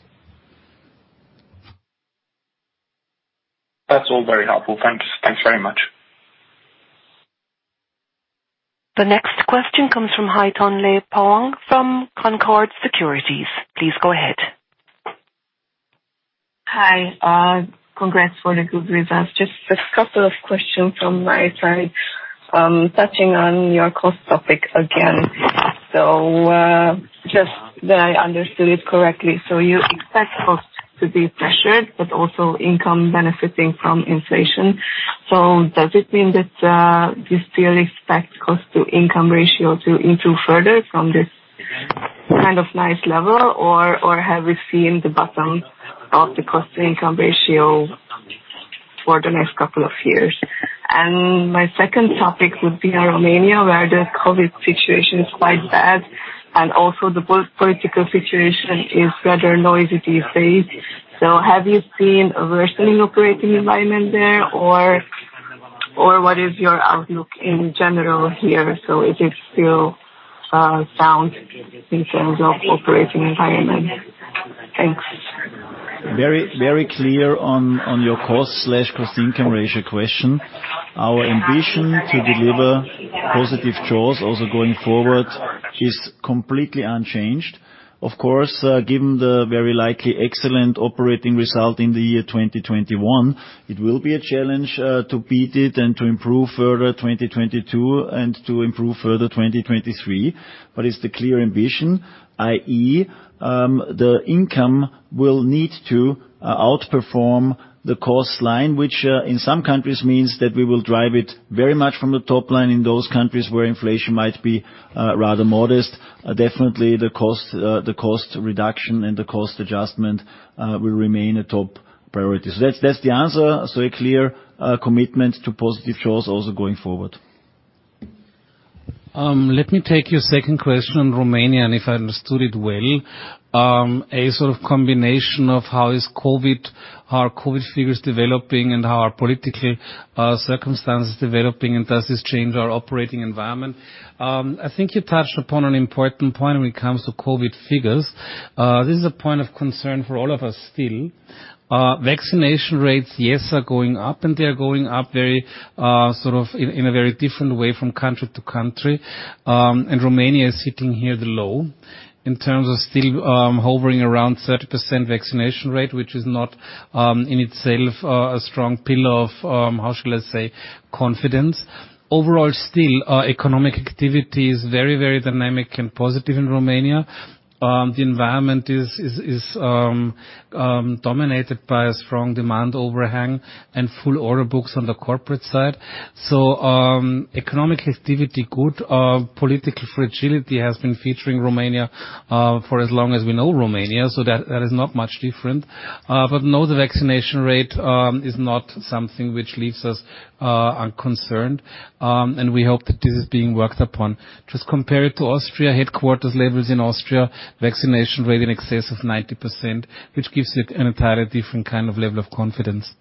Speaker 7: That's all very helpful. Thanks. Thanks very much.
Speaker 1: The next question comes from [Hayden Lee] from Concord Securities. Please go ahead.
Speaker 8: Hi. Congrats for the good results. Just a couple of questions from my side, touching on your cost topic again. Just that I understood it correctly. You expect costs to be pressured, but also income benefiting from inflation. Does it mean that you still expect cost-to-income ratio to improve further from this kind of nice level? Or have we seen the bottom of the cost-to-income ratio for the next couple of years? My second topic would be Romania, where the COVID situation is quite bad and also the political situation is rather noisy these days. Have you seen a worsening operating environment there or what is your outlook in general here? Is it still sound in terms of operating environment? Thanks.
Speaker 4: Very clear on your cost/cost-income ratio question. Our ambition to deliver positive jaws also going forward is completely unchanged. Of course, given the very likely excellent operating result in the year 2021, it will be a challenge to beat it and to improve further 2022 and to improve further 2023. It's the clear ambition, i.e., the income will need to outperform the cost line, which in some countries means that we will drive it very much from the top line. In those countries where inflation might be rather modest, definitely the cost reduction and the cost adjustment will remain a top priority. That's the answer. A clear commitment to positive jaws also going forward.
Speaker 3: Let me take your second question on Romania, and if I understood it well, a sort of combination of how is COVID, how are COVID figures developing and how are political circumstances developing, and does this change our operating environment? I think you touched upon an important point when it comes to COVID figures. This is a point of concern for all of us still. Vaccination rates, yes, are going up, and they are going up very sort of in a very different way from country to country. And Romania is sitting here the low in terms of still hovering around 30% vaccination rate, which is not in itself a strong pillar of how shall I say, confidence. Overall, still economic activity is very dynamic and positive in Romania. The environment is dominated by a strong demand overhang and full order books on the corporate side. Economic activity good. Political fragility has been featuring Romania for as long as we know Romania, so that is not much different. But the vaccination rate is not something which leaves us unconcerned. We hope that this is being worked upon. Just compare it to Austria, headquarters levels in Austria, vaccination rate in excess of 90%, which gives it an entirely different kind of level of confidence.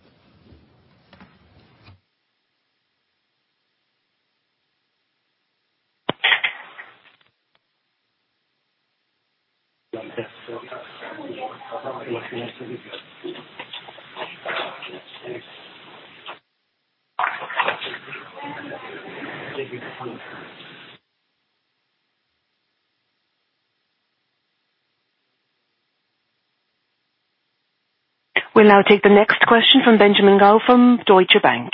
Speaker 1: We'll now take the next question from Benjamin Goy from Deutsche Bank.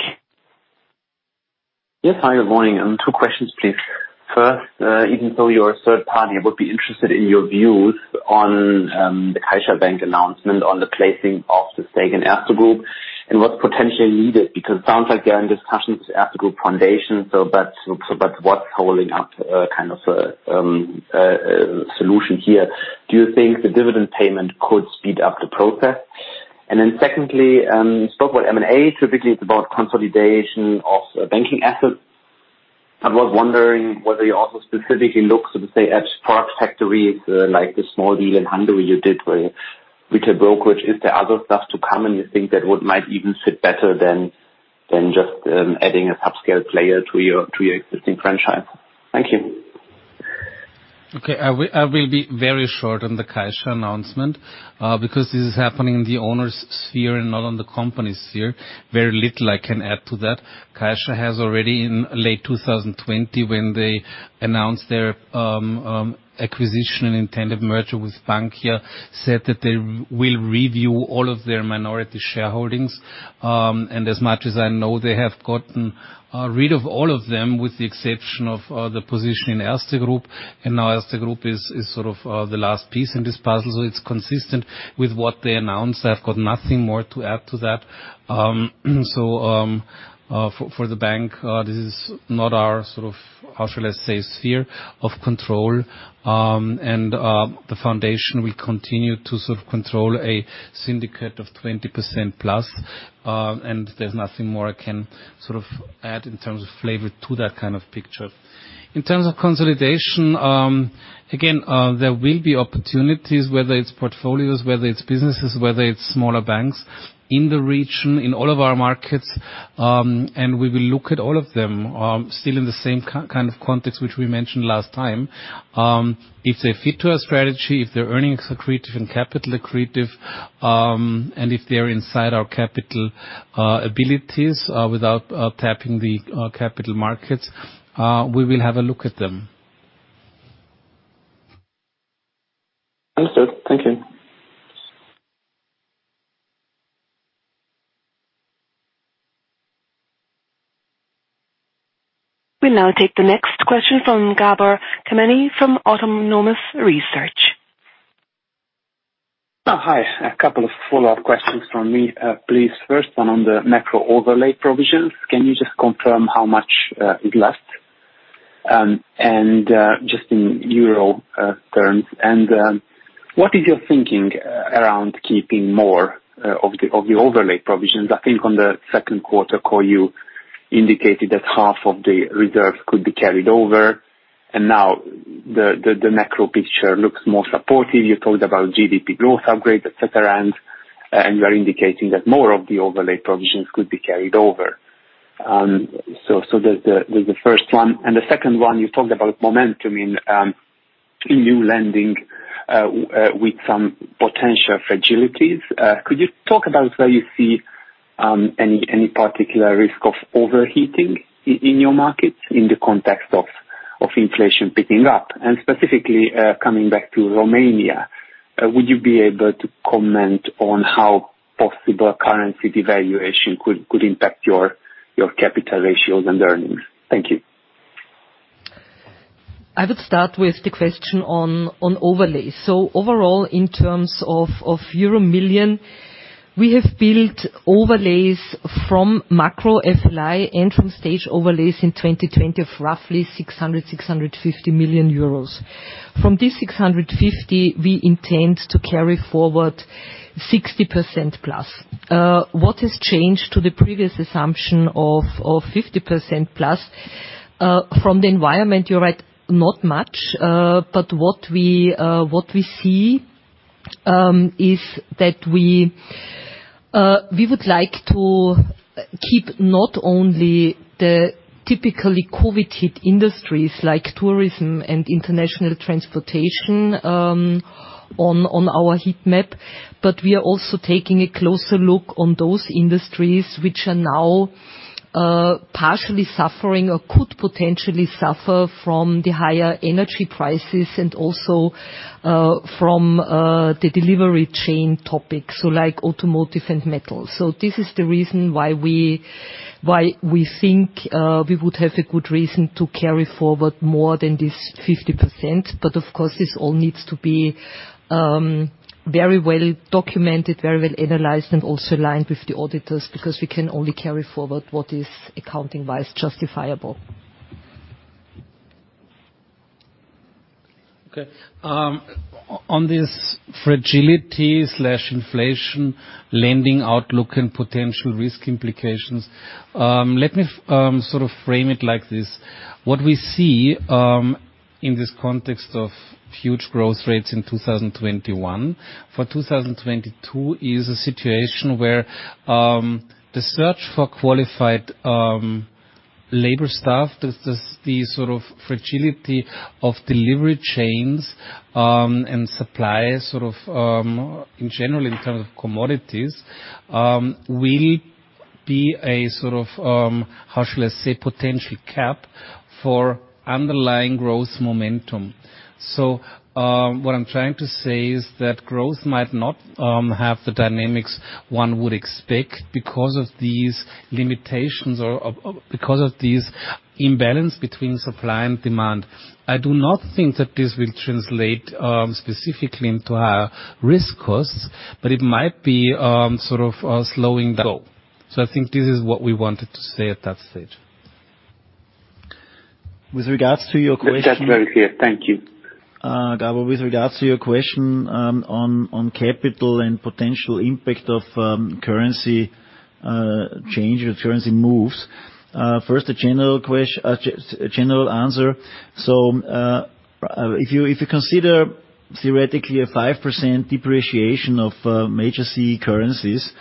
Speaker 9: Yes. Hi, good morning. Two questions, please. First, even though you're a third party, I would be interested in your views on the CaixaBank announcement on the placing of the stake in Erste Group and what's potentially needed because it sounds like you're in discussions with Erste Foundation. But what's holding up kind of a solution here? Do you think the dividend payment could speed up the process? Secondly, you spoke about M&A. Typically, it's about consolidation of banking assets. I was wondering whether you also specifically look, so to say, at spark factories like the small deal in Hungary you did where retail brokerage. Is there other stuff to come, and you think that might even fit better than just adding a subscale player to your existing franchise. Thank you.
Speaker 3: Okay. I will be very short on the CaixaBank announcement, because this is happening in the owner's sphere and not on the company sphere. Very little I can add to that. CaixaBank has already in late 2020, when they announced their acquisition and intended merger with Bankia, said that they will review all of their minority shareholdings. As much as I know, they have gotten rid of all of them, with the exception of the position in Erste Group. Now Erste Group is sort of the last piece in this puzzle, so it's consistent with what they announced. I've got nothing more to add to that. For the bank, this is not our sort of, how shall I say, sphere of control. The foundation will continue to sort of control a significant 20%+, and there's nothing more I can sort of add in terms of flavor to that kind of picture. In terms of consolidation, there will be opportunities, whether it's portfolios, whether it's businesses, whether it's smaller banks in the region, in all of our markets, and we will look at all of them, still in the same kind of context which we mentioned last time. If they fit to our strategy, if their earnings are accretive and capital accretive, and if they're inside our capital abilities, without tapping the capital markets, we will have a look at them.
Speaker 9: Understood. Thank you.
Speaker 1: We'll now take the next question from Gabor Kemeny from Autonomous Research.
Speaker 10: Hi. A couple of follow-up questions from me, please. First one on the macro overlay provisions. Can you just confirm how much it left, and just in euro terms? What is your thinking around keeping more of the overlay provisions? I think on the second quarter call, you indicated that half of the reserves could be carried over, and now the macro picture looks more supportive. You talked about GDP growth upgrade, et cetera, and you are indicating that more of the overlay provisions could be carried over. So that's the first one. The second one, you talked about momentum in new lending with some potential fragilities. Could you talk about where you see any particular risk of overheating in your markets in the context of inflation picking up? Specifically, coming back to Romania, would you be able to comment on how possible currency devaluation could impact your capital ratios and earnings? Thank you.
Speaker 5: I would start with the question on overlay. Overall, in terms of euro million, we have built overlays from macro FLI and from stage overlays in 2020 of roughly 650 million euros. From these 650, we intend to carry forward 60%+. What has changed to the previous assumption of 50%+ from the environment, you're right, not much. What we see is that we would like to keep not only the typically COVID hit industries like tourism and international transportation on our heat map, but we are also taking a closer look on those industries which are now partially suffering or could potentially suffer from the higher energy prices and also from the supply chain topics, so like automotive and metal. This is the reason why we think we would have a good reason to carry forward more than this 50%. Of course, this all needs to be very well documented, very well analyzed, and also aligned with the auditors, because we can only carry forward what is accounting-wise justifiable.
Speaker 3: Okay. On this fragility and inflation lending outlook and potential risk implications, let me sort of frame it like this. What we see in this context of huge growth rates in 2021 for 2022 is a situation where the search for qualified labor staff, the fragility of supply chains, and suppliers in general in terms of commodities will be a sort of how should I say potential cap for underlying growth momentum. What I'm trying to say is that growth might not have the dynamics one would expect because of these limitations or because of these imbalances between supply and demand. I do not think that this will translate specifically into higher risk costs, but it might be sort of slowing the growth. I think this is what we wanted to say at that stage.
Speaker 4: With regards to your question.
Speaker 10: That's very clear. Thank you.
Speaker 4: Gabor, with regards to your question on capital and potential impact of currency change or currency moves, first a general answer. If you consider theoretically a 5% depreciation of major CEE currencies,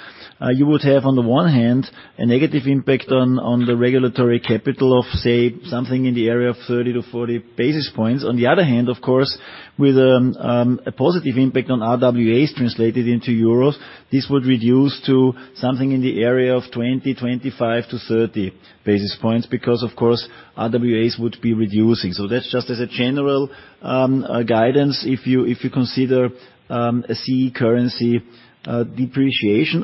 Speaker 4: you would have on the one hand a negative impact on the regulatory capital of, say, something in the area of 30-40 basis points. On the other hand, of course, with a positive impact on RWAs translated into euros, this would reduce to something in the area of 20, 25-30 basis points because of course RWAs would be reducing. That's just as a general guidance if you consider a CEE currency depreciation,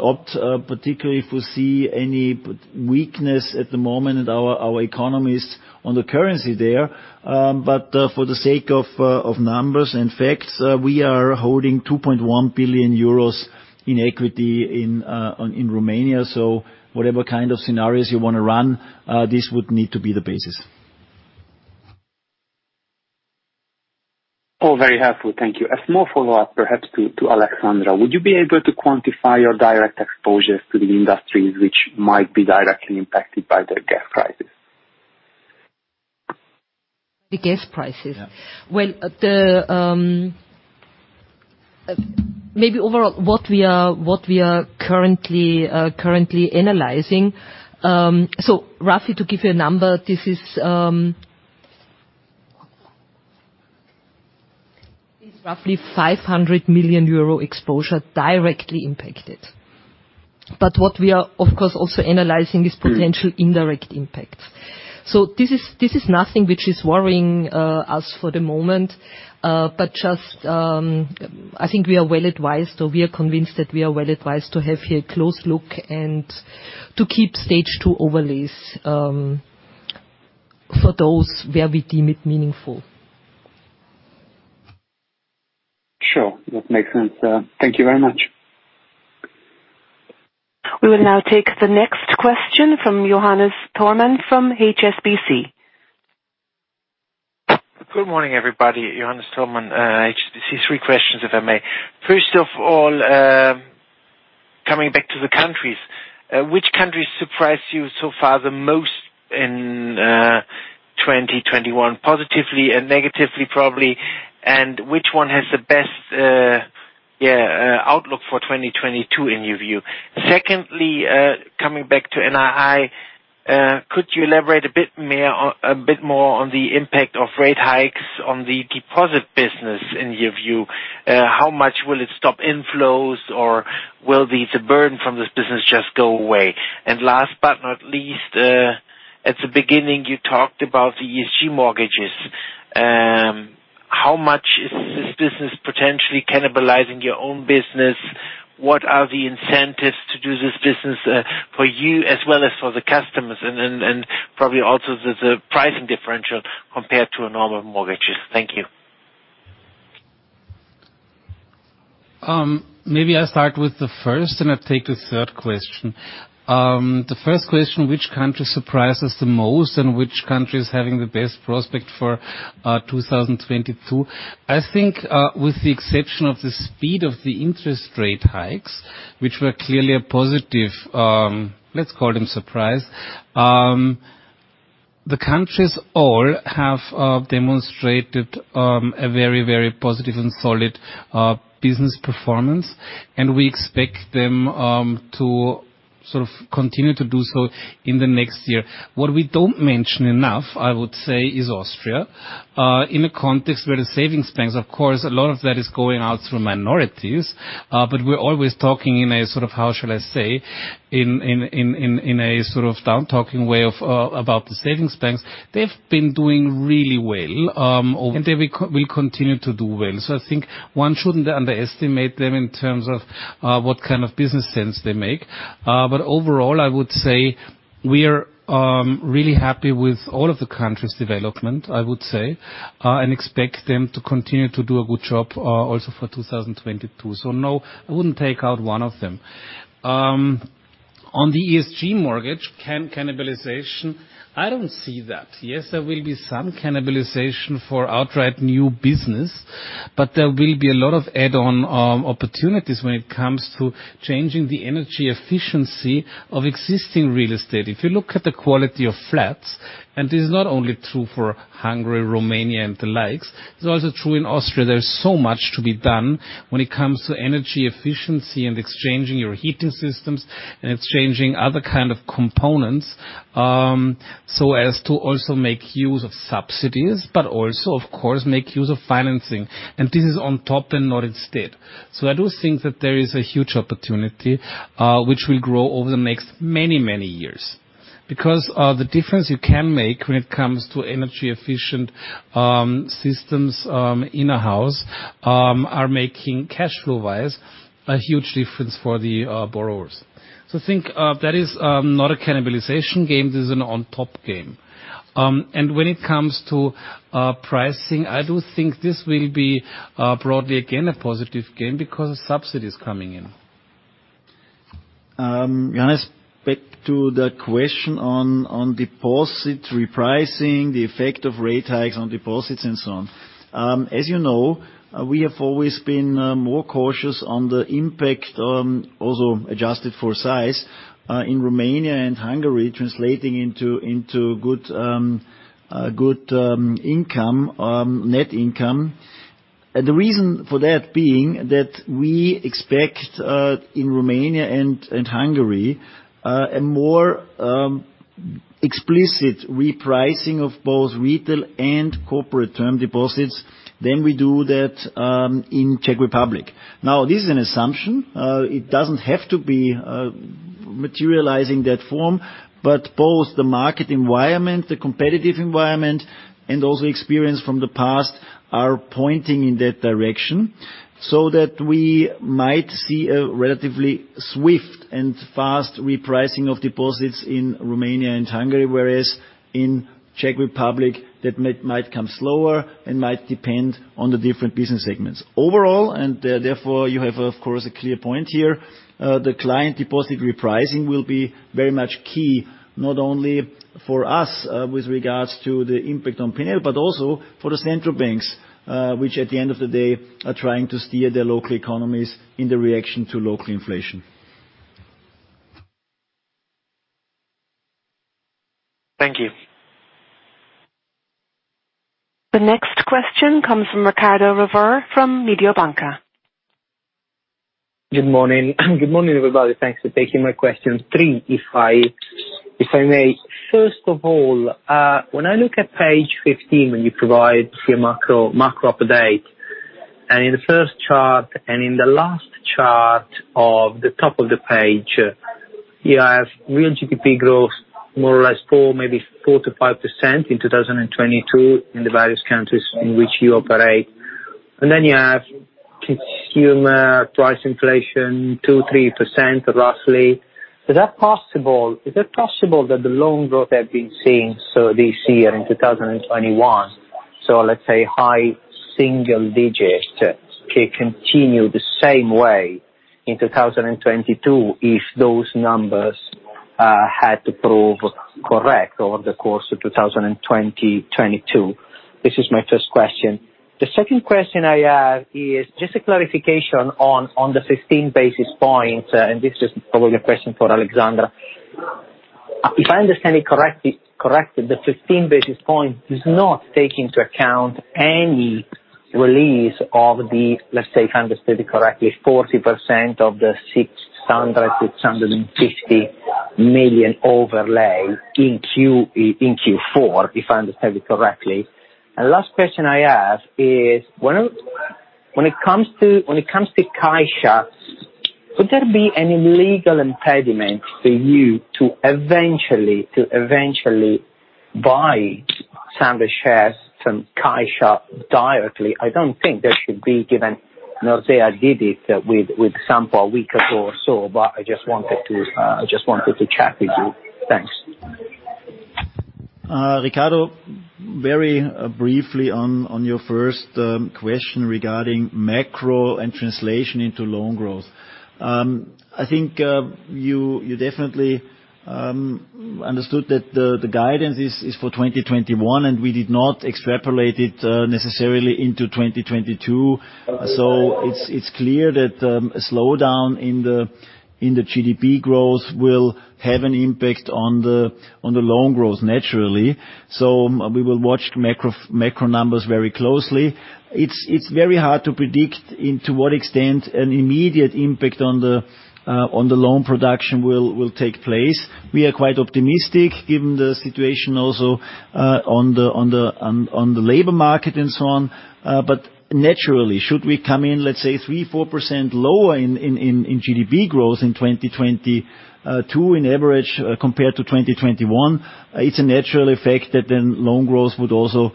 Speaker 4: particularly foresee any weakness at the moment in our economies on the currency there, but for the sake of numbers and facts, we are holding 2.1 billion euros in equity in Romania. Whatever kind of scenarios you wanna run, this would need to be the basis.
Speaker 9: Oh, very helpful. Thank you. A small follow-up perhaps to Alexandra. Would you be able to quantify your direct exposure to the industries which might be directly impacted by the gas prices?
Speaker 5: The gas prices?
Speaker 9: Yeah.
Speaker 5: Well, maybe overall what we are currently analyzing, so roughly to give you a number, this is roughly 500 million euro exposure directly impacted. What we are of course also analyzing is potential indirect impact. This is nothing which is worrying us for the moment, but just, I think we are well advised or we are convinced that we are well advised to have a close look and to keep stage two overlays, for those where we deem it meaningful.
Speaker 9: Sure. That makes sense. Thank you very much.
Speaker 1: We will now take the next question from Johannes Thormann from HSBC.
Speaker 11: Good morning, everybody. Johannes Thormann, HSBC. Three questions if I may. First of all, coming back to the countries, which countries surprised you so far the most in 2021, positively and negatively probably, and which one has the best outlook for 2022 in your view? Secondly, coming back to NII, could you elaborate a bit more on the impact of rate hikes on the deposit business in your view? How much will it stop inflows or will the burden from this business just go away? And last but not least, at the beginning you talked about the ESG mortgages. How much is this business potentially cannibalizing your own business? What are the incentives to do this business for you as well as for the customers and probably also the pricing differential compared to a normal mortgages? Thank you.
Speaker 3: Maybe I start with the first, and I take the third question. The first question, which country surprised us the most and which country is having the best prospect for 2022? I think, with the exception of the speed of the interest rate hikes, which were clearly a positive, let's call them surprise. The countries all have demonstrated a very positive and solid business performance, and we expect them to sort of continue to do so in the next year. What we don't mention enough, I would say, is Austria. In a context where the savings banks, of course, a lot of that is going out through minorities, but we're always talking in a sort of, how shall I say? In a sort of down-talking way of about the savings banks. They've been doing really well, and they will continue to do well. I think one shouldn't underestimate them in terms of what kind of business sense they make. Overall, I would say we are really happy with all of the countries' development, I would say, and expect them to continue to do a good job, also for 2022. So no, I wouldn't take out one of them. On the ESG mortgage cannibalization, I don't see that. Yes, there will be some cannibalization for outright new business, but there will be a lot of add-on opportunities when it comes to changing the energy efficiency of existing real estate. If you look at the quality of flats, and this is not only true for Hungary, Romania and the likes, it's also true in Austria, there's so much to be done when it comes to energy efficiency and exchanging your heating systems and exchanging other kind of components, so as to also make use of subsidies, but also, of course, make use of financing. This is on top and not instead. I do think that there is a huge opportunity, which will grow over the next many, many years. The difference you can make when it comes to energy efficient systems in a house are making cashflow-wise, a huge difference for the borrowers. I think that is not a cannibalization game, this is an on-top game. When it comes to pricing, I do think this will be broadly again a positive gain because subsidy is coming in.
Speaker 4: Johannes, back to the question on deposits repricing, the effect of rate hikes on deposits and so on. As you know, we have always been more cautious on the impact on, also adjusted for size, in Romania and Hungary translating into good net income. The reason for that being that we expect in Romania and Hungary a more explicit repricing of both retail and corporate term deposits than we do in Czech Republic. Now, this is an assumption. It doesn't have to be materializing in that form, but both the market environment, the competitive environment, and also experience from the past are pointing in that direction, so that we might see a relatively swift and fast repricing of deposits in Romania and Hungary. Whereas in Czech Republic, that might come slower and might depend on the different business segments. Overall, therefore you have, of course, a clear point here, the client deposit repricing will be very much key, not only for us, with regards to the impact on P&L, but also for the central banks, which at the end of the day, are trying to steer their local economies in the reaction to local inflation.
Speaker 11: Thank you.
Speaker 1: The next question comes from Riccardo Rovere from Mediobanca.
Speaker 12: Good morning. Good morning, everybody. Thanks for taking my question. Three, if I may. First of all, when I look at page 15, when you provide your macro update, and in the first chart and in the last chart at the top of the page, you have real GDP growth more or less 4%, maybe 4%-5% in 2022 in the various countries in which you operate. Then you have consumer price inflation 2-3%, roughly. Is that possible? Is it possible that the loan growth we have been seeing so far this year in 2021, so let's say high single-digits, continue the same way in 2022 if those numbers have to prove correct over the course of 2022? This is my first question. The second question I have is just a clarification on the 15 basis points, and this is probably a question for Alexandra. If I understand it correctly, the 15 basis points does not take into account any release of the, let's say, if I understood it correctly, 40% of the 650 million overlay in Q4, if I understand it correctly. Last question I have is when it comes to CaixaBank, would there be any legal impediment for you to eventually buy some shares from CaixaBank directly? I don't think there should be given Nordea did it with someone a week ago or so, but I just wanted to check with you. Thanks.
Speaker 3: Riccardo, very briefly on your first question regarding macro and translation into loan growth. I think you definitely understood that the guidance is for 2021, and we did not extrapolate it necessarily into 2022. It's clear that a slowdown in the GDP growth will have an impact on the loan growth naturally. We will watch macro numbers very closely. It's very hard to predict into what extent an immediate impact on the loan production will take place. We are quite optimistic given the situation also on the labor market and so on. Naturally, should we come in, let's say 3%-4% lower in GDP growth in 2022 on average, compared to 2021, it's a natural effect that then loan growth would also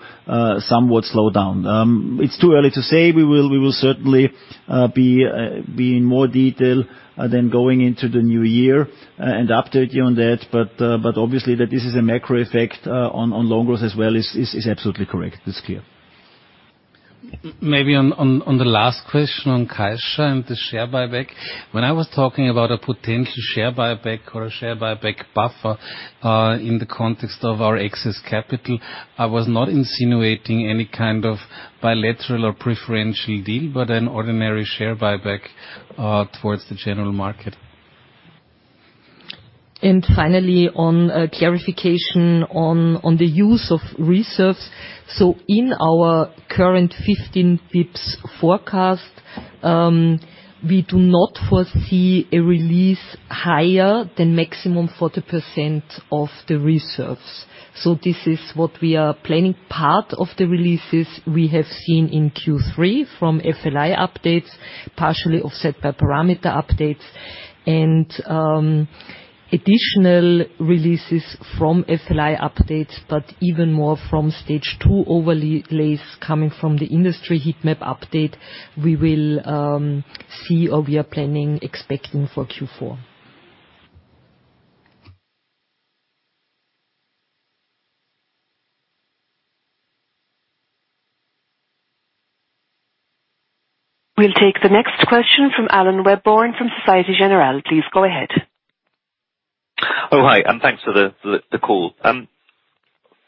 Speaker 3: somewhat slow down. It's too early to say. We will certainly be in more detail then going into the new year and update you on that. But obviously that this is a macro effect on loan growth as well is absolutely correct. It's clear. Maybe on the last question on Caixa and the share buyback. When I was talking about a potential share buyback or a share buyback buffer, in the context of our excess capital, I was not insinuating any kind of bilateral or preferential deal, but an ordinary share buyback, towards the general market.
Speaker 5: Finally, on a clarification on the use of reserves. In our current 15 bps forecast, we do not foresee a release higher than maximum 40% of the reserves. This is what we are planning. Part of the releases we have seen in Q3 from FLI updates, partially offset by parameter updates and additional releases from FLI updates, but even more from stage two overlays coming from the industry heat map update, we will see or we are planning expecting for Q4.
Speaker 1: We'll take the next question from Alan Webborn from Société Générale. Please go ahead.
Speaker 13: Oh, hi, and thanks for the call.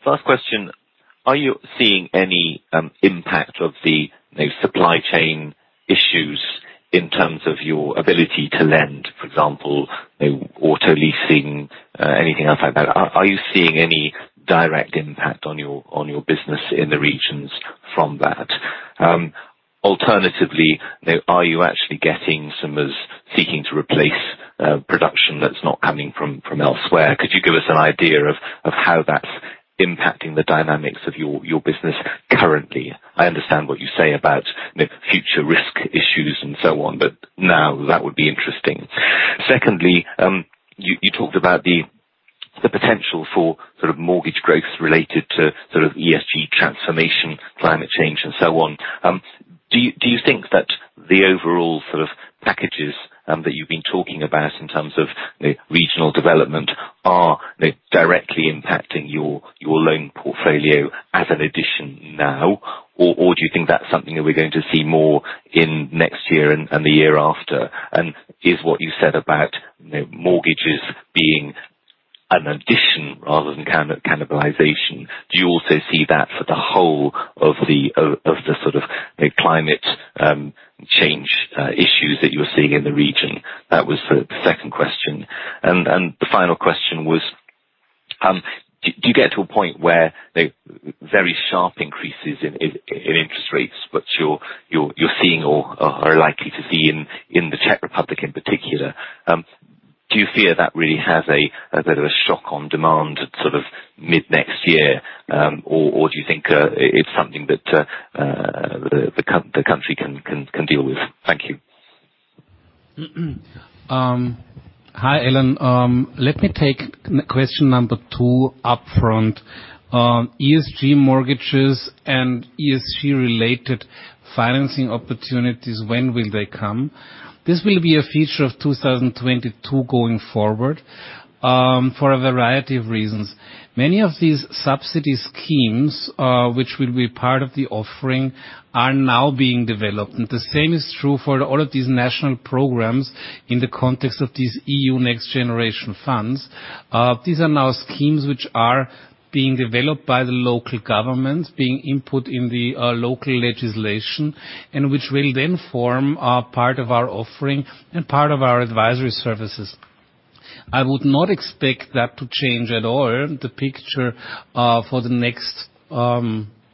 Speaker 13: First question, are you seeing any impact of the, you know, supply chain issues in terms of your ability to lend, for example, you know, auto leasing, anything else like that? Are you seeing any direct impact on your business in the regions from that? Alternatively, you know, are you actually getting some of those seeking to replace production that's not coming from elsewhere? Could you give us an idea of how that's impacting the dynamics of your business currently? I understand what you say about the future risk issues and so on, but now that would be interesting. Secondly, you talked about the potential for sort of mortgage growth related to sort of ESG transformation, climate change and so on. Do you think that the overall sort of packages that you've been talking about in terms of, you know, regional development are, you know, directly impacting your loan portfolio as an addition now? Or do you think that's something that we're going to see more in next year and the year after? Is what you said about, you know, mortgages being an addition rather than cannibalization, do you also see that for the whole of the sort of the climate change issues that you're seeing in the region? That was the second question. The final question was, do you get to a point where the very sharp increases in interest rates that you're seeing or are likely to see in the Czech Republic in particular, do you fear that really has a bit of a shock on demand sort of mid next year? Or do you think the country can deal with? Thank you.
Speaker 3: Hi, Alan. Let me take question number two upfront. ESG mortgages and ESG-related financing opportunities, when will they come? This will be a feature of 2022 going forward, for a variety of reasons. Many of these subsidy schemes, which will be part of the offering, are now being developed. The same is true for all of these national programs in the context of these NextGenerationEU funds. These are now schemes which are being developed by the local governments, being input in the local legislation, and which will then form part of our offering and part of our advisory services. I would not expect that to change at all the picture, for the next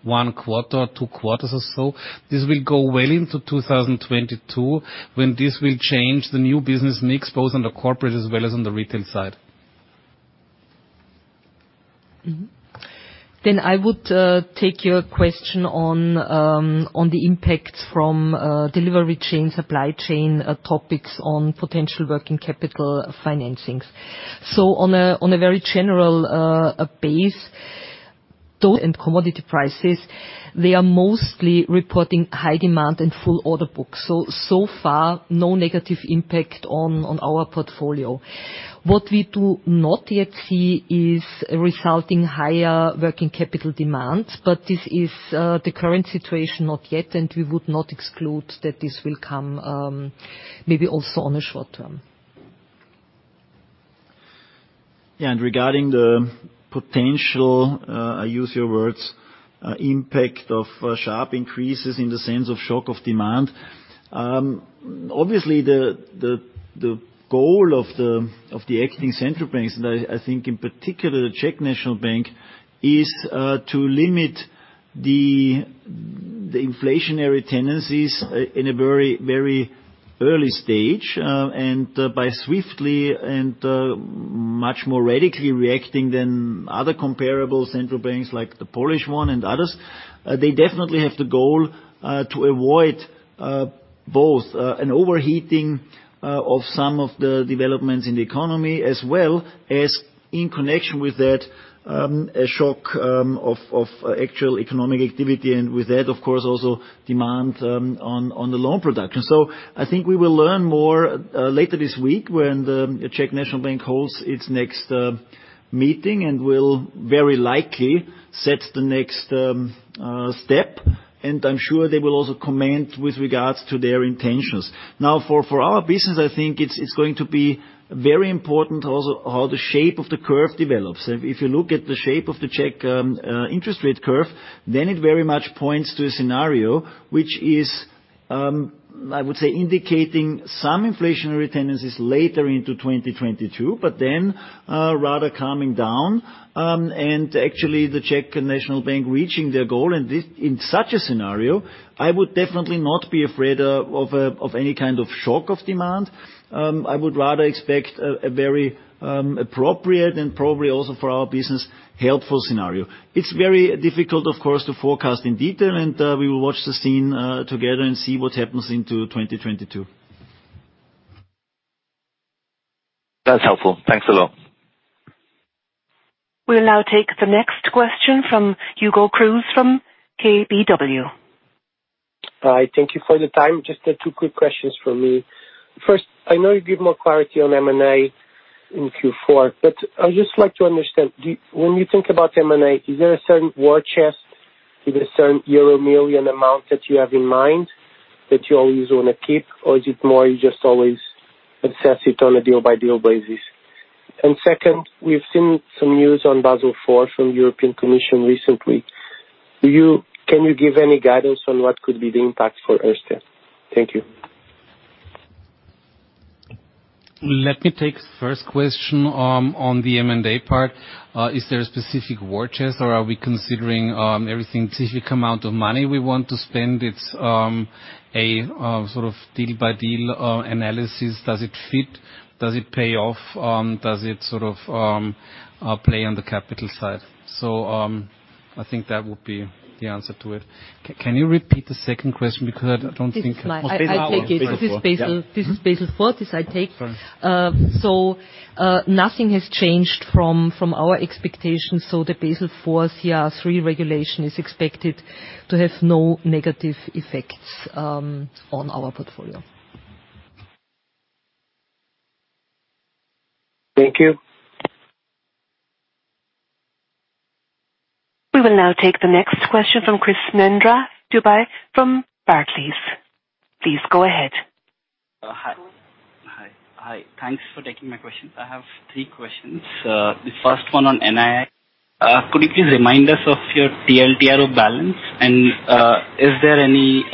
Speaker 3: one quarter or two quarters or so. This will go well into 2022, when this will change the new business mix, both on the corporate as well as on the retail side.
Speaker 5: I would take your question on the impact from supply chain topics on potential working capital financings. On a very general basis, those and commodity prices are mostly reporting high demand and full order books. So far, no negative impact on our portfolio. What we do not yet see is resulting higher working capital demands, but this is the current situation, not yet, and we would not exclude that this will come, maybe also on a short-term.
Speaker 4: Regarding the potential, I use your words, impact of sharp increases in the sense of shock of demand. Obviously, the goal of the acting central banks, that I think in particular, the Czech National Bank, is to limit the inflationary tendencies in a very early stage, and by swiftly and much more radically reacting than other comparable central banks like the Polish one and others. They definitely have the goal to avoid both an overheating of some of the developments in the economy, as well as in connection with that, a shock of actual economic activity, and with that, of course, also demand on the loan production. I think we will learn more later this week when the Czech National Bank holds its next meeting, and will very likely set the next step. I'm sure they will also comment with regards to their intentions. Now, for our business, I think it's going to be very important also how the shape of the curve develops. If you look at the shape of the Czech interest rate curve, then it very much points to a scenario which is, I would say indicating some inflationary tendencies later into 2022, but then rather calming down, and actually the Czech National Bank reaching their goal. This, in such a scenario, I would definitely not be afraid of any kind of shock of demand. I would rather expect a very appropriate and probably also for our business, helpful scenario. It's very difficult, of course, to forecast in detail, and we will watch the scene together and see what happens into 2022.
Speaker 13: That's helpful. Thanks a lot.
Speaker 1: We'll now take the next question from Hugo Cruz from KBW.
Speaker 14: Hi. Thank you for the time. Just two quick questions for me. First, I know you give more clarity on M&A in Q4, but I just like to understand, when you think about M&A, is there a certain war chest? Is there a certain euro million amount that you have in mind that you always wanna keep, or is it more you just always assess it on a deal-by-deal basis? Second, we've seen some news on Basel IV from European Commission recently. Can you give any guidance on what could be the impact for Erste? Thank you.
Speaker 4: Let me take the first question on the M&A part. Is there a specific war chest or are we considering a specific amount of money we want to spend? It's a sort of deal-by-deal analysis. Does it fit? Does it pay off? Does it sort of play on the capital side? I think that would be the answer to it. Can you repeat the second question because I don't think-
Speaker 5: This is my-
Speaker 4: Basel.
Speaker 5: I'll take it. This is Basel. This is Basel IV. This, I take.
Speaker 4: Sorry.
Speaker 5: Nothing has changed from our expectations. The Basel IV CRR3 regulation is expected to have no negative effects on our portfolio.
Speaker 14: Thank you.
Speaker 1: We will now take the next question from Krishnendra Dubey from Barclays. Please go ahead.
Speaker 15: Hi. Thanks for taking my questions. I have three questions. The first one on NII. Could you please remind us of your TLTRO balance? Is there any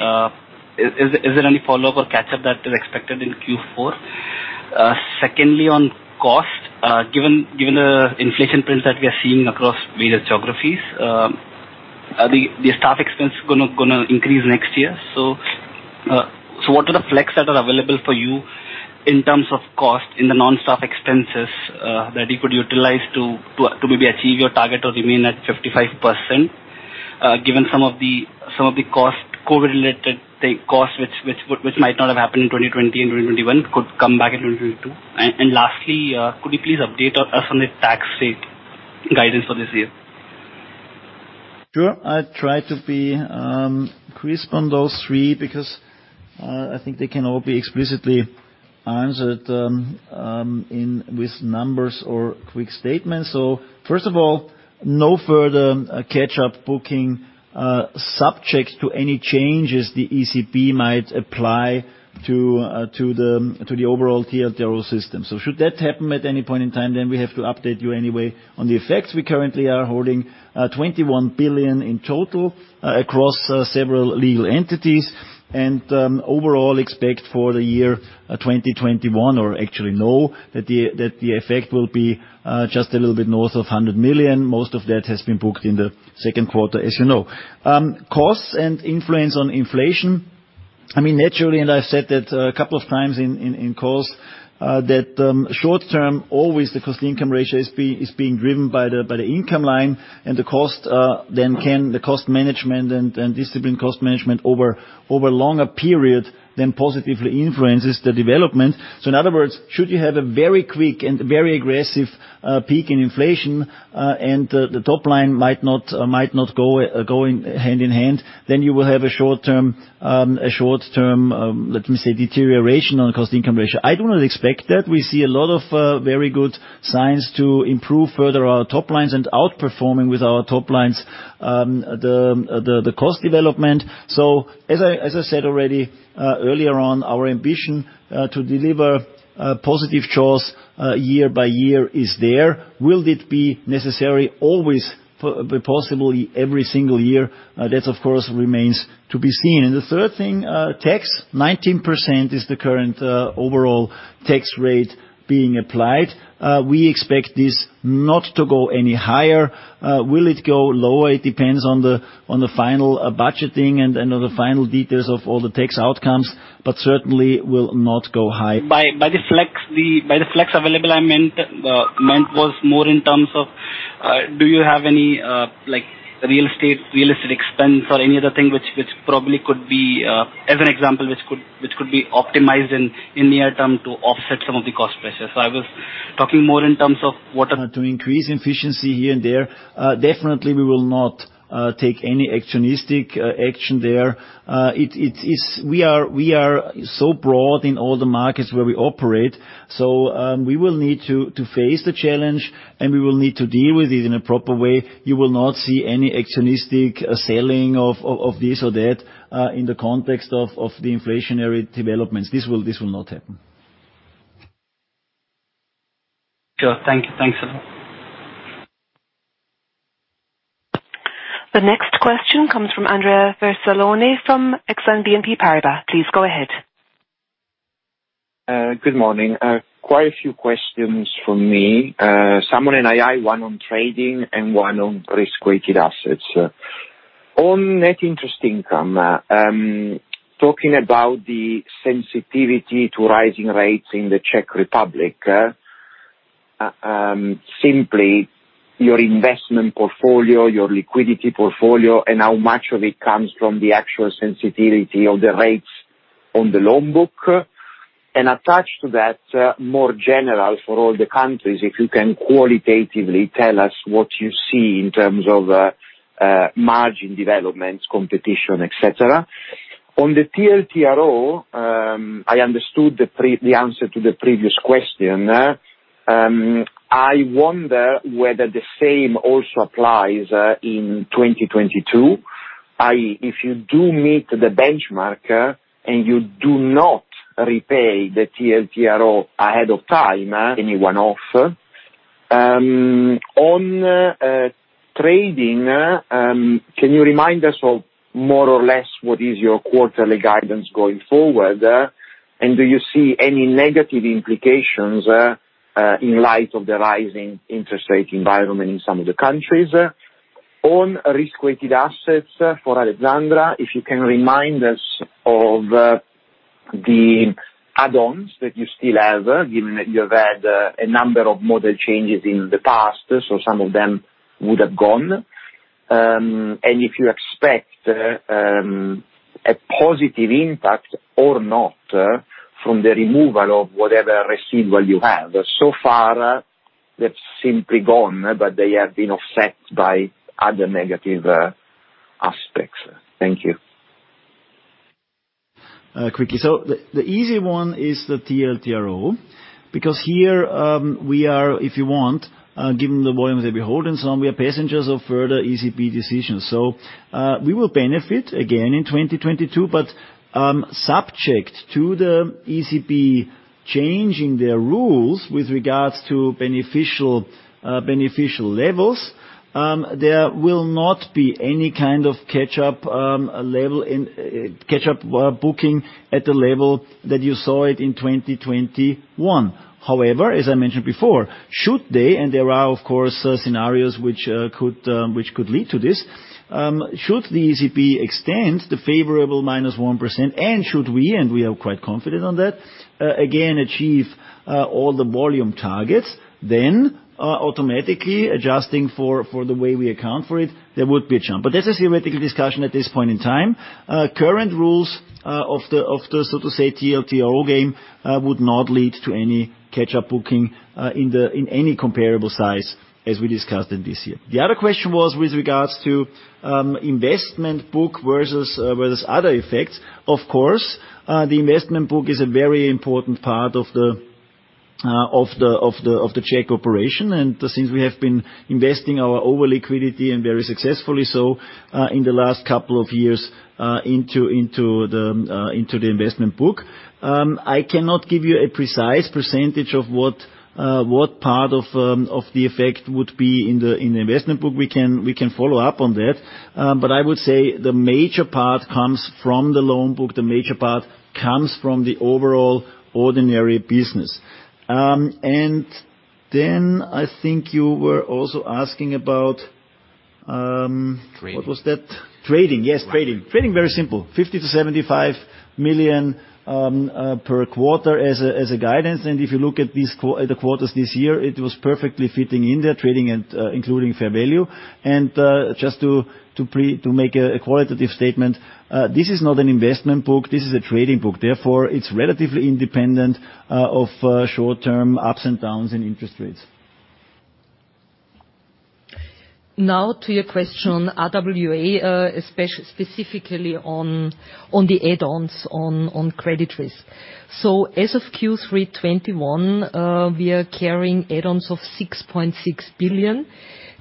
Speaker 15: follow-up or catch-up that is expected in Q4? Secondly, on cost, given the inflation prints that we are seeing across various geographies, are the staff expense gonna increase next year? What are the flex that are available for you in terms of cost in the non-staff expenses that you could utilize to maybe achieve your target or remain at 55%, given some of the COVID-related cost which might not have happened in 2020 and 2021 could come back in 2022. Lastly, could you please update us on the tax rate guidance for this year?
Speaker 4: Sure. I try to be crisp on those three because I think they can all be explicitly answered in with numbers or quick statements. First of all, no further catch-up booking subject to any changes the ECB might apply to the overall TLTRO system. Should that happen at any point in time, then we have to update you anyway on the effects. We currently are holding 21 billion in total across several legal entities. Overall expect for the year 2021 or actually know that the effect will be just a little bit north of 100 million. Most of that has been booked in the second quarter, as you know. Costs and influence on inflation. I mean, naturally, and I've said that a couple of times in calls, that short term, always the cost-income ratio is being driven by the income line and the cost, then the cost management and disciplined cost management over a longer period that positively influences the development. In other words, should you have a very quick and very aggressive peak in inflation, and the top line might not go hand in hand, then you will have a short term, let me say, deterioration in cost-income ratio. I do not expect that. We see a lot of very good signs to improve further our top lines and outperforming with our top lines, the cost development. As I said already earlier on, our ambition to deliver positive jaws year by year is there. Will it be necessary always possibly every single year? That, of course, remains to be seen. The third thing, tax. 19% is the current overall tax rate being applied. We expect this not to go any higher. Will it go lower? It depends on the final budgeting and on the final details of all the tax outcomes, but certainly will not go higher.
Speaker 15: By the flex available, I meant was more in terms of, do you have any like real estate expense or any other thing which probably could be, as an example, which could be optimized in the near term to offset some of the cost pressures. So I was talking more in terms of what are-
Speaker 4: To increase efficiency here and there. Definitely we will not take any actionistic action there. We are so broad in all the markets where we operate, so we will need to face the challenge, and we will need to deal with it in a proper way. You will not see any actionistic selling of this or that in the context of the inflationary developments. This will not happen.
Speaker 15: Sure. Thank you. Thanks a lot.
Speaker 1: The next question comes from Andrea Vercellone from Exane BNP Paribas. Please go ahead.
Speaker 16: Good morning. Quite a few questions from me. Some on NII, one on trading, and one on risk-weighted assets. On net interest income, talking about the sensitivity to rising rates in the Czech Republic, simply your investment portfolio, your liquidity portfolio, and how much of it comes from the actual sensitivity of the rates on the loan book. Attached to that, more general for all the countries, if you can qualitatively tell us what you see in terms of margin developments, competition, et cetera. On the TLTRO, I understood the answer to the previous question. I wonder whether the same also applies in 2022. If you do meet the benchmark, and you do not repay the TLTRO ahead of time, anyone off. On trading, can you remind us of more or less what is your quarterly guidance going forward, and do you see any negative implications in light of the rising interest rate environment in some of the countries? On risk-weighted assets for Alexandra, if you can remind us of the add-ons that you still have, given that you've had a number of model changes in the past, so some of them would have gone. If you expect a positive impact or not from the removal of whatever residual you have. So far, they've simply gone, but they have been offset by other negative aspects. Thank you.
Speaker 4: Quickly. The easy one is the TLTRO, because here, if you want, given the volume that we hold and so on, we are passengers of further ECB decisions. We will benefit again in 2022, but subject to the ECB changing their rules with regards to beneficial levels, there will not be any kind of catch-up booking at the level that you saw it in 2021. However, as I mentioned before, should they, and there are of course scenarios which could lead to this, should the ECB extend the favorable -1%, and should we, and we are quite confident on that, again achieve all the volume targets, then, automatically adjusting for the way we account for it, there would be a jump. That's a theoretical discussion at this point in time. Current rules of the so to say TLTRO game would not lead to any catch-up booking in any comparable size as we discussed in this year. The other question was with regards to investment book versus other effects. Of course, the investment book is a very important part of the Czech operation. Since we have been investing our over-liquidity, and very successfully so, in the last couple of years, into the investment book. I cannot give you a precise percentage of what part of the effect would be in the investment book. We can follow up on that. But I would say the major part comes from the loan book. The major part comes from the overall ordinary business. I think you were also asking about. What was that?
Speaker 16: Trading.
Speaker 4: Yes, trading. Very simple. 50 million-75 million per quarter as guidance. If you look at these—the quarters this year, it was perfectly fitting in there, trading and including fair value. Just to make a qualitative statement, this is not an investment book, this is a trading book, therefore it's relatively independent of short-term ups and downs in interest rates.
Speaker 5: Now to your question, RWA, specifically on the add-ons on credit risk. As of Q3 2021, we are carrying add-ons of 6.6 billion.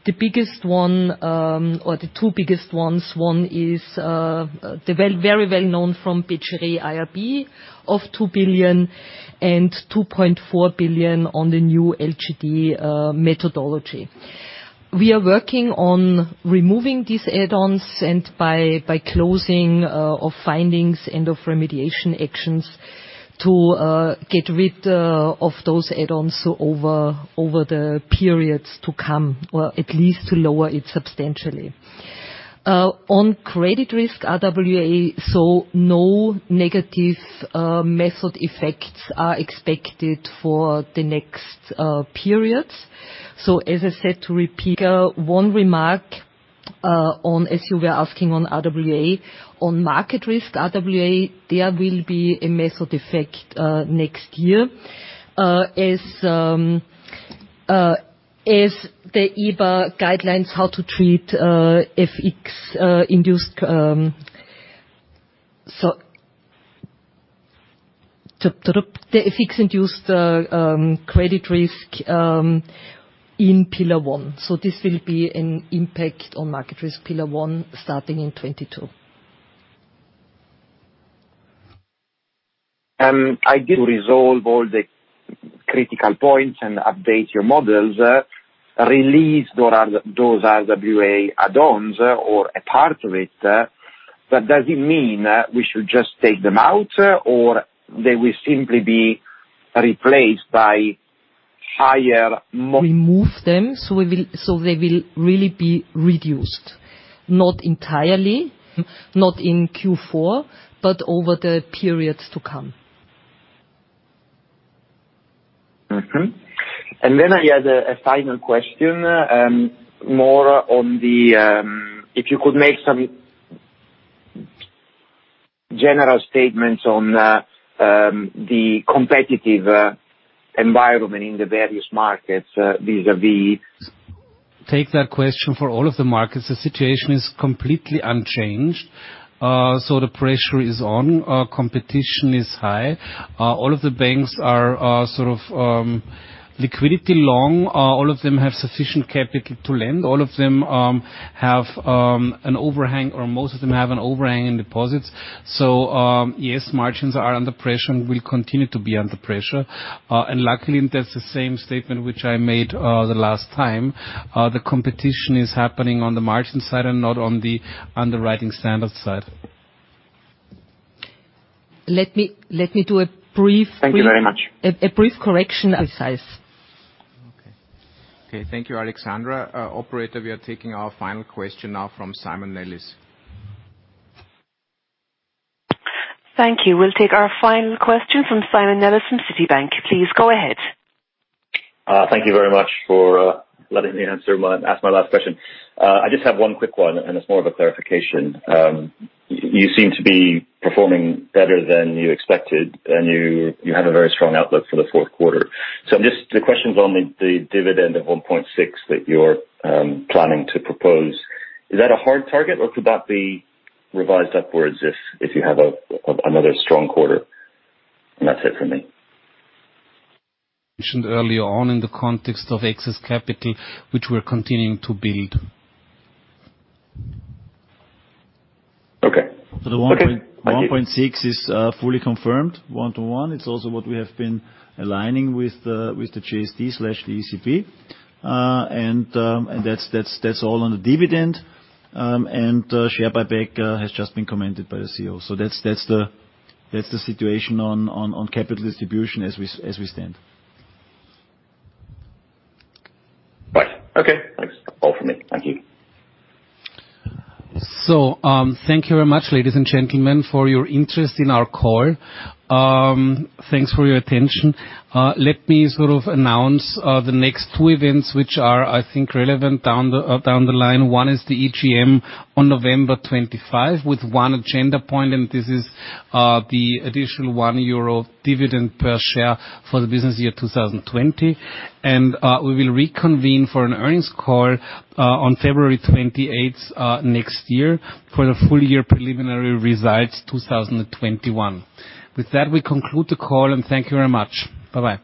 Speaker 5: The biggest one, or the two biggest ones, one is the very well-known Pillar 1 IRB of 2 billion and 2.4 billion on the new LGD methodology. We are working on removing these add-ons and by closing of findings and of remediation actions to get rid of those add-ons over the periods to come, or at least to lower it substantially. On credit risk RWA, no negative method effects are expected for the next periods. As I said, to repeat, one remark on, as you were asking on RWA. On market risk RWA, there will be a method effect next year as the EBA guidelines how to treat the FX-induced credit risk in Pillar 1. This will be an impact on market risk Pillar 1 starting in 2022.
Speaker 16: I get to resolve all the critical points and update your models, release those RWA add-ons or a part of it. Does it mean we should just take them out or they will simply be replaced by higher mo-
Speaker 5: Remove them, so they will really be reduced. Not entirely, not in Q4, but over the periods to come.
Speaker 16: I had a final question if you could make some general statements on the competitive environment in the various markets vis-à-vis.
Speaker 3: Take that question for all of the markets. The situation is completely unchanged. The pressure is on, competition is high. All of the banks are sort of liquidity long. All of them have sufficient capital to lend. All of them have an overhang, or most of them have an overhang in deposits. So yes, margins are under pressure and will continue to be under pressure. Luckily, that's the same statement which I made the last time. The competition is happening on the margin side and not on the underwriting standard side.
Speaker 5: Let me do a brief.
Speaker 16: Thank you very much.
Speaker 5: A brief correction of size.
Speaker 3: Okay, thank you, Alexandra. Operator, we are taking our final question now from Simon Nellis.
Speaker 1: Thank you. We'll take our final question from Simon Nellis from Citibank. Please go ahead.
Speaker 17: Thank you very much for letting me ask my last question. I just have one quick one, and it's more of a clarification. You seem to be performing better than you expected, and you have a very strong outlook for the fourth quarter. Just the question is on the dividend of 1.6 that you're planning to propose. Is that a hard target or could that be revised upwards if you have another strong quarter? That's it for me.
Speaker 3: Mentioned earlier on in the context of excess capital, which we're continuing to build.
Speaker 17: Okay. Okay.
Speaker 4: The 1.1.6 is fully confirmed 1:1. It's also what we have been aligning with the JST/ECB. And that's all on the dividend. And share buyback has just been commented by the CEO. That's the situation on capital distribution as we stand.
Speaker 17: Right. Okay, thanks. All from me. Thank you.
Speaker 3: Thank you very much, ladies and gentlemen, for your interest in our call. Thanks for your attention. Let me sort of announce the next two events, which are, I think, relevant down the line. One is the EGM on November 25 with one agenda point, and this is the additional 1 euro dividend per share for the business year 2020. We will reconvene for an earnings call on February 28 next year for the full year preliminary results 2021. With that, we conclude the call and thank you very much. Bye-bye.